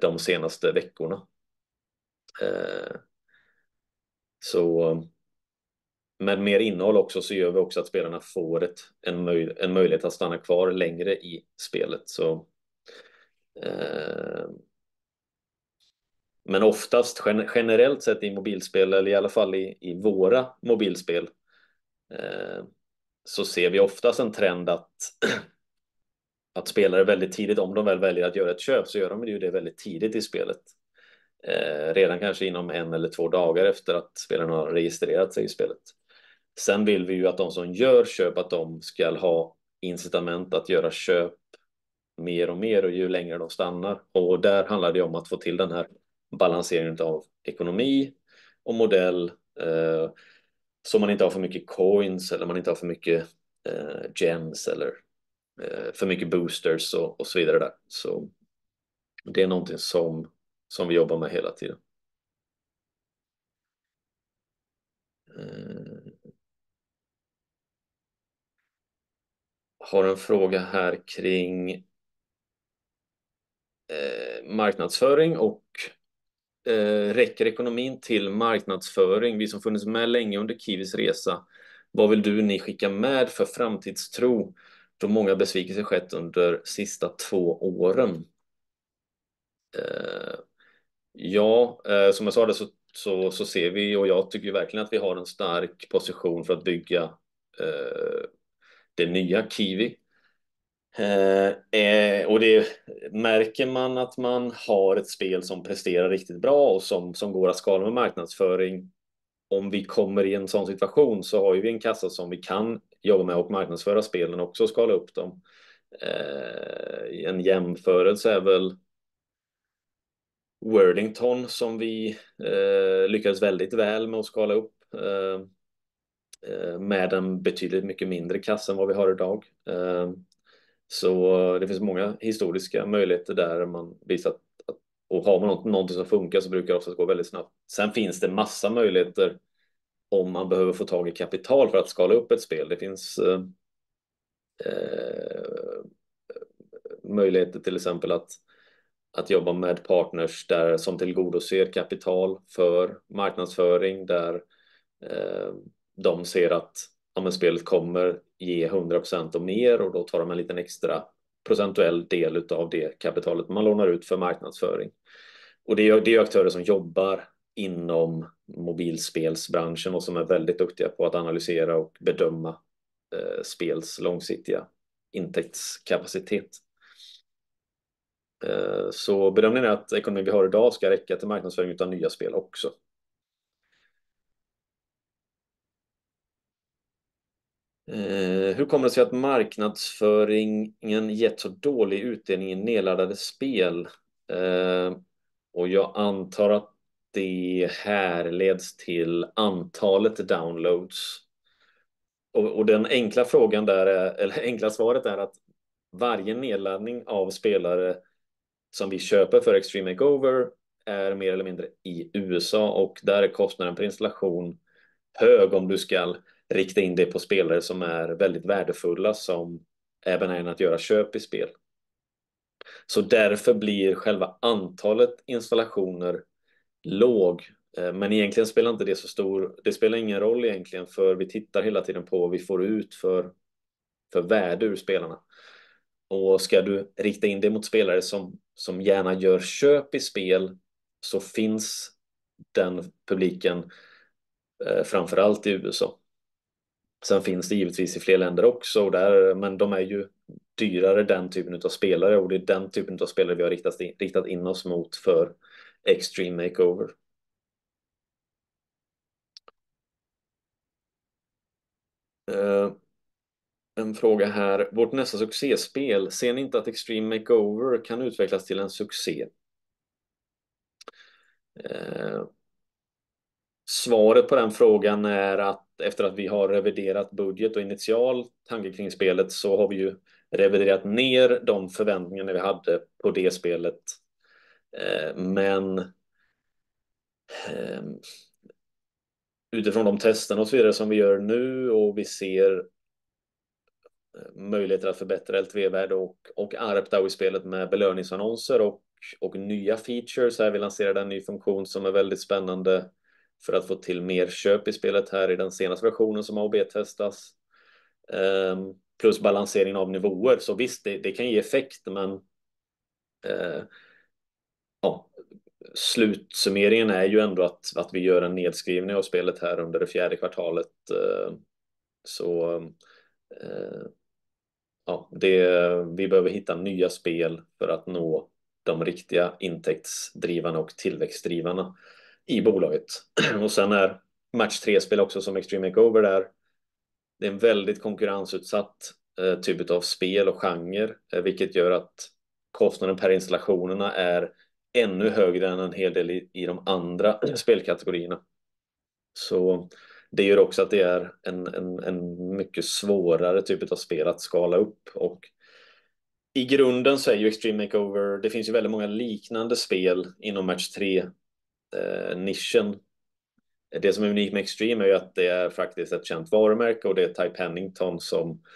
A: de senaste veckorna. Så med mer innehåll också så gör vi också att spelarna får en möjlighet att stanna kvar längre i spelet. Men oftast generellt sett i mobilspel eller i alla fall i våra mobilspel så ser vi oftast en trend att spelare väldigt tidigt, om de väl väljer att göra ett köp, så gör de ju det väldigt tidigt i spelet. Redan kanske inom en eller två dagar efter att spelaren har registrerat sig i spelet. Sen vill vi ju att de som gör köp, att de ska ha incitament att göra köp mer och mer och ju längre de stannar. Och där handlar det ju om att få till den här balanseringen av ekonomi och modell. Så man inte har för mycket coins eller man inte har för mycket gems eller för mycket boosters och så vidare där. Så det är någonting som vi jobbar med hela tiden. Jag har en fråga här kring marknadsföring och räcker ekonomin till marknadsföring. Vi som funnits med länge under Kiwis resa, vad vill ni skicka med för framtidstro då många besvikelser skett under sista två åren? Ja, som jag sa det så ser vi och jag tycker verkligen att vi har en stark position för att bygga det nya Kiwi. Det märker man att man har ett spel som presterar riktigt bra och som går att skala med marknadsföring. Om vi kommer i en sådan situation så har vi en kassa som vi kan jobba med och marknadsföra spelen också och skala upp dem. En jämförelse är väl Worthington som vi lyckades väldigt väl med att skala upp med en betydligt mycket mindre kassa än vad vi har idag. Det finns många historiska möjligheter där man visar att har man någonting som funkar så brukar det oftast gå väldigt snabbt. Sen finns det massa möjligheter om man behöver få tag i kapital för att skala upp ett spel. Det finns möjligheter till exempel att jobba med partners där som tillgodoser kapital för marknadsföring. Där de ser att spelet kommer ge 100% och mer och då tar de en liten extra procentuell del av det kapitalet man lånar ut för marknadsföring. Det är ju aktörer som jobbar inom mobilspelsbranschen och som är väldigt duktiga på att analysera och bedöma spels långsiktiga intäktskapacitet. Bedömningen är att ekonomin vi har idag ska räcka till marknadsföring av nya spel också. Hur kommer det sig att marknadsföringen gett så dålig utdelning i nedladdade spel? Jag antar att det här leds till antalet downloads. Den enkla frågan där är, eller enkla svaret är att varje nedladdning av spelare som vi köper för Extreme Makeover är mer eller mindre i USA. Där är kostnaden per installation hög om du ska rikta in det på spelare som är väldigt värdefulla som även är inne att göra köp i spel. Därför blir själva antalet installationer låg. Men egentligen spelar inte det så stor, det spelar ingen roll egentligen. Vi tittar hela tiden på vad vi får ut för värde ur spelarna. Ska du rikta in det mot spelare som gärna gör köp i spel så finns den publiken framförallt i USA. Sen finns det givetvis i fler länder också. Och där, men de är ju dyrare den typen av spelare. Och det är den typen av spelare vi har riktat in oss mot för Extreme Makeover. En fråga här. Vårt nästa succéspel, ser ni inte att Extreme Makeover kan utvecklas till en succé? Svaret på den frågan är att efter att vi har reviderat budget och initial tanke kring spelet så har vi ju reviderat ner de förväntningarna vi hade på det spelet. Men utifrån de testerna och så vidare som vi gör nu och vi ser möjligheter att förbättra LTV-värde och ARPDAU i spelet med belöningsannonser och nya features. Här har vi lanserat en ny funktion som är väldigt spännande för att få till mer köp i spelet här i den senaste versionen som A/B testas. Plus balanseringen av nivåer. Så visst, det kan ge effekt. Men slutsummeringen är ju ändå att vi gör en nedskrivning av spelet här under det fjärde kvartalet. Så vi behöver hitta nya spel för att nå de riktiga intäktsdrivande och tillväxtdrivande i bolaget. Sen är match 3-spel också som Extreme Makeover där. Det är en väldigt konkurrensutsatt typ av spel och genre, vilket gör att kostnaden per installationerna är ännu högre än en hel del i de andra spelkategorierna. Så det gör också att det är en mycket svårare typ av spel att skala upp. I grunden så är ju Extreme Makeover, det finns ju väldigt många liknande spel inom match 3-nischen. Det som är unikt med Extreme är ju att det är faktiskt ett känt varumärke och det är Ty Pennington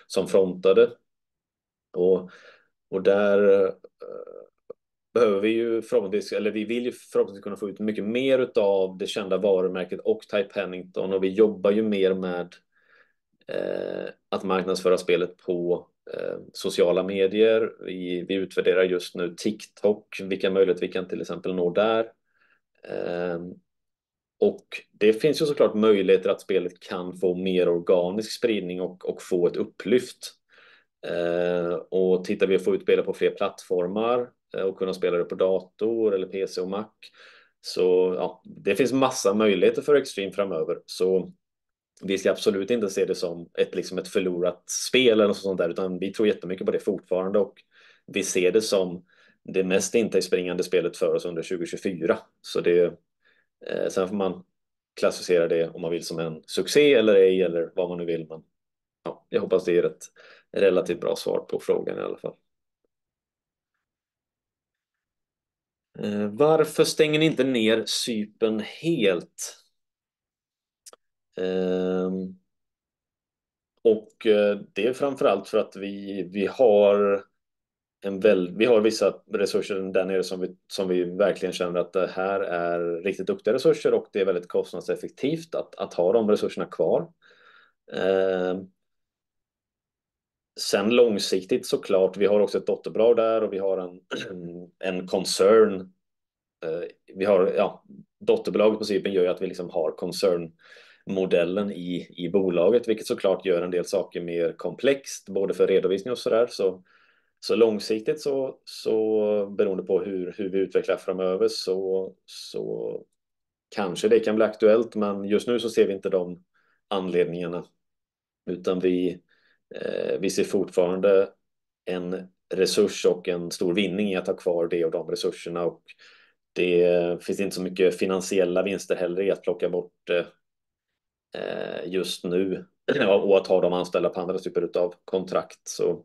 A: som frontade. Där behöver vi ju förhoppningsvis, eller vi vill ju förhoppningsvis kunna få ut mycket mer av det kända varumärket och Ty Pennington. Och vi jobbar ju mer med att marknadsföra spelet på sociala medier. Vi utvärderar just nu TikTok. Vilka möjligheter vi kan till exempel nå där. Det finns ju såklart möjligheter att spelet kan få mer organisk spridning och få ett upplyft. Vi tittar på att få ut spelet på fler plattformar och kunna spela det på dator eller PC och Mac. Så det finns massa möjligheter för Extreme framöver. Vi ska absolut inte se det som ett förlorat spel eller något sånt där. Utan vi tror jättemycket på det fortfarande. Vi ser det som det mest intäktsspringande spelet för oss under 2024. Sen får man klassificera det om man vill som en succé eller ej. Eller vad man nu vill. Men jag hoppas det ger ett relativt bra svar på frågan i alla fall. Varför stänger ni inte ner Cypern helt? Och det är framförallt för att vi har en väldigt, vi har vissa resurser där nere som vi verkligen känner att det här är riktigt duktiga resurser. Och det är väldigt kostnadseffektivt att ha de resurserna kvar. Sen långsiktigt såklart. Vi har också ett dotterbolag där och vi har en concern. Vi har, ja, dotterbolaget på Cypern gör ju att vi liksom har concernmodellen i bolaget. Vilket såklart gör en del saker mer komplext. Både för redovisning och sådär. Så långsiktigt så, så beroende på hur vi utvecklar framöver så kanske det kan bli aktuellt. Men just nu så ser vi inte de anledningarna. Utan vi, vi ser fortfarande en resurs och en stor vinning i att ha kvar det och de resurserna. Och det finns inte så mycket finansiella vinster heller i att plocka bort det, just nu. Och att ha dem anställda på andra typer av kontrakt. Så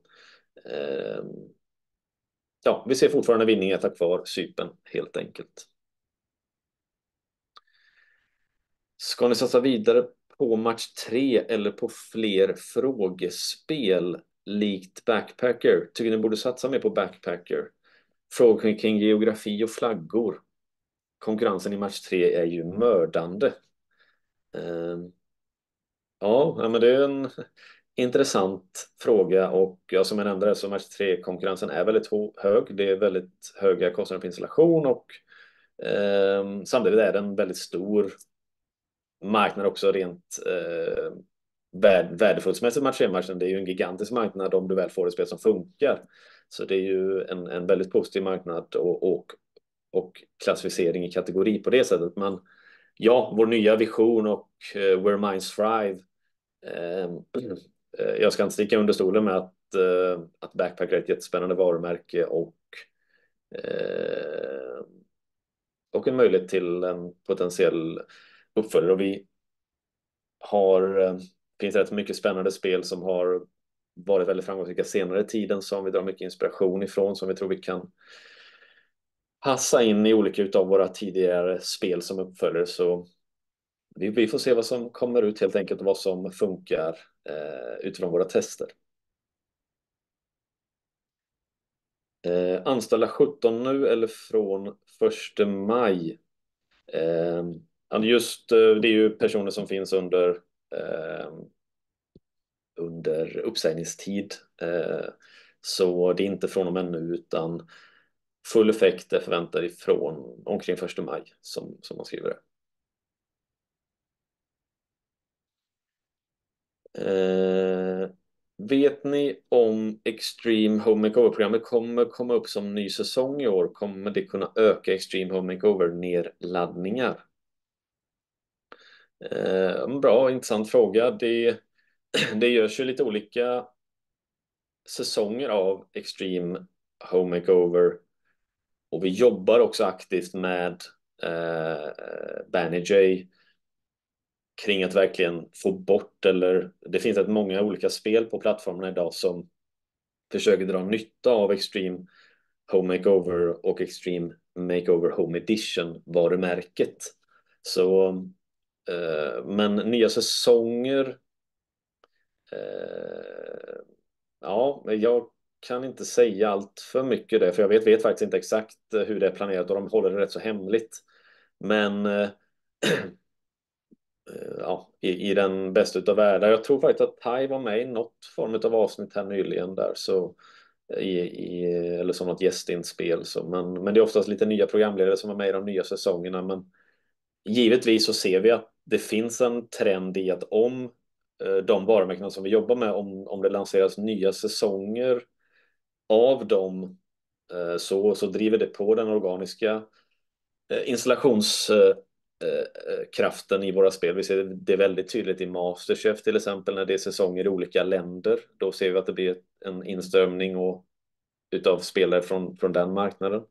A: ja, vi ser fortfarande en vinning i att ha kvar Cypern helt enkelt. Ska ni satsa vidare på match 3 eller på fler frågespel likt Backpacker? Tycker ni borde satsa mer på Backpacker? Frågor kring geografi och flaggor. Konkurrensen i match 3 är ju mördande. Ja, det är en intressant fråga. Som jag nämnde så är match 3-konkurrensen väldigt hög. Det är väldigt höga kostnader på installation. Samtidigt är det en väldigt stor marknad också rent värdefullsmässigt. Match 3-marknaden, det är ju en gigantisk marknad om du väl får ett spel som funkar. Det är ju en väldigt positiv marknad och klassificering i kategori på det sättet. Vår nya vision och Where Minds Thrive. Jag ska inte sticka under stolen med att Backpacker är ett jättespännande varumärke och en möjlighet till en potentiell uppföljare. Och vi har, finns rätt mycket spännande spel som har varit väldigt framgångsrika senare tiden som vi drar mycket inspiration ifrån, som vi tror vi kan passa in i olika av våra tidigare spel som uppföljare. Vi får se vad som kommer ut helt enkelt och vad som funkar utifrån våra tester. Anställa 17 nu eller från 1 maj? Just det är ju personer som finns under uppsägningstid. Det är inte från och med nu utan full effekt är förväntad ifrån omkring 1 maj som man skriver det. Vet ni om Extreme Home Makeover-programmet kommer komma upp som ny säsong i år? Kommer det kunna öka Extreme Home Makeover-nedladdningar? Bra, intressant fråga. Det görs ju lite olika säsonger av Extreme Home Makeover. Vi jobbar också aktivt med Banijay kring att verkligen få bort. Eller det finns rätt många olika spel på plattformarna idag som försöker dra nytta av Extreme Home Makeover och Extreme Makeover Home Edition, varumärket. Men nya säsonger. Ja, jag kan inte säga allt för mycket där för jag vet faktiskt inte exakt hur det är planerat och de håller det rätt så hemligt. Men ja, i den bästa av världar. Jag tror faktiskt att Thai var med i något form av avsnitt här nyligen där. I, eller som något gästinspel. Men det är oftast lite nya programledare som är med i de nya säsongerna. Men givetvis så ser vi att det finns en trend i att om de varumärkena som vi jobbar med, om det lanseras nya säsonger av dem, så driver det på den organiska installationskraften i våra spel. Vi ser det väldigt tydligt i MasterChef till exempel när det är säsonger i olika länder. Då ser vi att det blir en inströmning av spelare från den marknaden.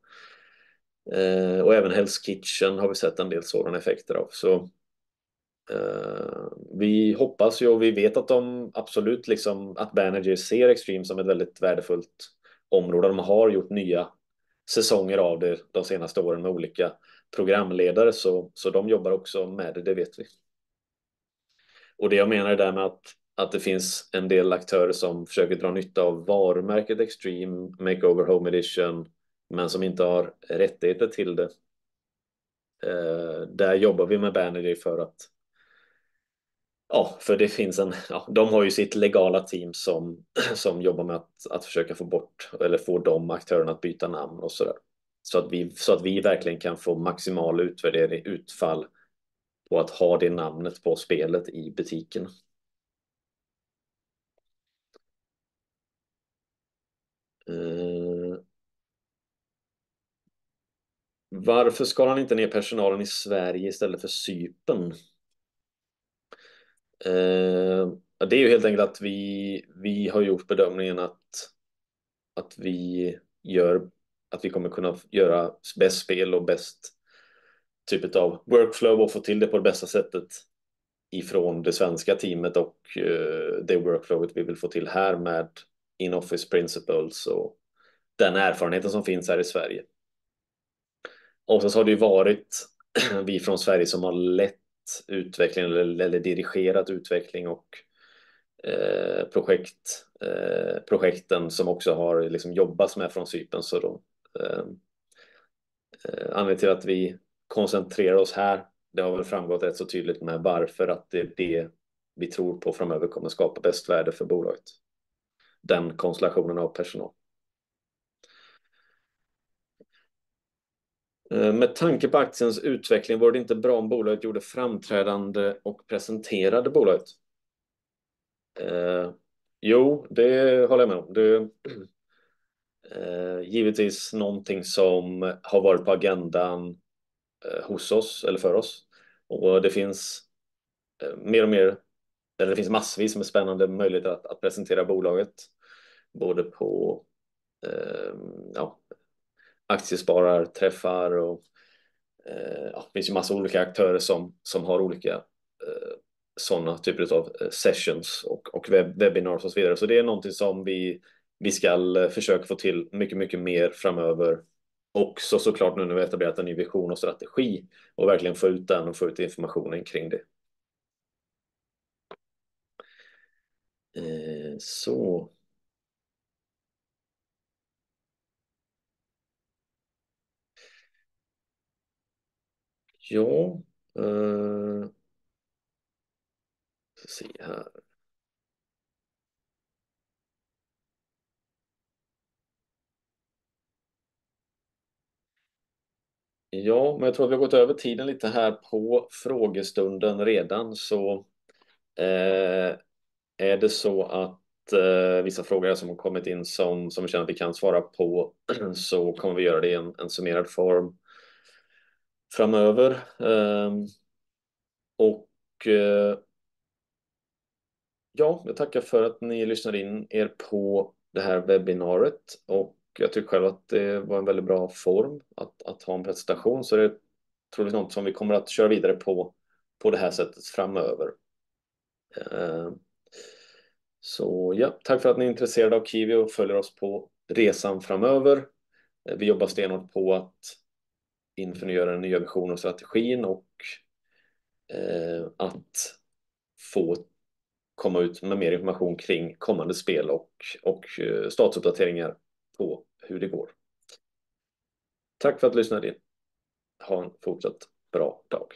A: Och även Hell's Kitchen har vi sett en del sådana effekter av. Så vi hoppas ju och vi vet att de absolut liksom att Banijay ser Extreme som ett väldigt värdefullt område. De har gjort nya säsonger av det de senaste åren med olika programledare. Så de jobbar också med det, det vet vi. Och det jag menar är därmed att det finns en del aktörer som försöker dra nytta av varumärket Extreme Makeover Home Edition, men som inte har rättigheter till det. Där jobbar vi med Banijay för att, ja, för det finns en, de har ju sitt legala team som jobbar med att försöka få bort eller få de aktörerna att byta namn och sådär. Så att vi verkligen kan få maximal utvärdering, utfall på att ha det namnet på spelet i butikerna. Varför skalar ni inte ner personalen i Sverige istället för Cypern? Det är ju helt enkelt att vi har gjort bedömningen att vi kommer kunna göra bäst spel och bäst typ av workflow och få till det på det bästa sättet från det svenska teamet och det workflow vi vill få till här med in-office principles och den erfarenheten som finns här i Sverige. Sedan så har det ju varit vi från Sverige som har lett utveckling eller dirigerat utveckling och projekten som också har jobbat med från Cypern. Anledningen till att vi koncentrerar oss här, det har väl framgått rätt så tydligt varför det är det vi tror på framöver kommer skapa bäst värde för bolaget. Den konstellationen av personal. Med tanke på aktiens utveckling, vore det inte bra om bolaget gjorde framträdande och presenterade bolaget? Jo, det håller jag med om. Det är givetvis någonting som har varit på agendan hos oss eller för oss. Det finns mer och mer, eller det finns massvis med spännande möjligheter att presentera bolaget. Både på aktiespararträffar och det finns ju massa olika aktörer som har olika sådana typer av sessions och webbinarier och så vidare. Det är någonting som vi ska försöka få till mycket, mycket mer framöver. Också såklart nu när vi etablerat en ny vision och strategi och verkligen få ut den och få ut informationen kring det. Ja, men jag tror att vi har gått över tiden lite här på frågestunden redan. Är det så att vissa frågor här som har kommit in som vi känner att vi kan svara på, så kommer vi göra det i en summerad form framöver. Och ja, jag tackar för att ni lyssnade in på det här webbinariet. Jag tycker själv att det var en väldigt bra form att ha en presentation. Det är troligtvis något som vi kommer att köra vidare på det här sättet framöver. Ja, tack för att ni är intresserade av Qiiwi och följer oss på resan framöver. Vi jobbar stenhårt på att införliva en ny vision och strategi och att få komma ut med mer information kring kommande spel och statusuppdateringar på hur det går. Tack för att ni lyssnade in. Ha en fortsatt bra dag.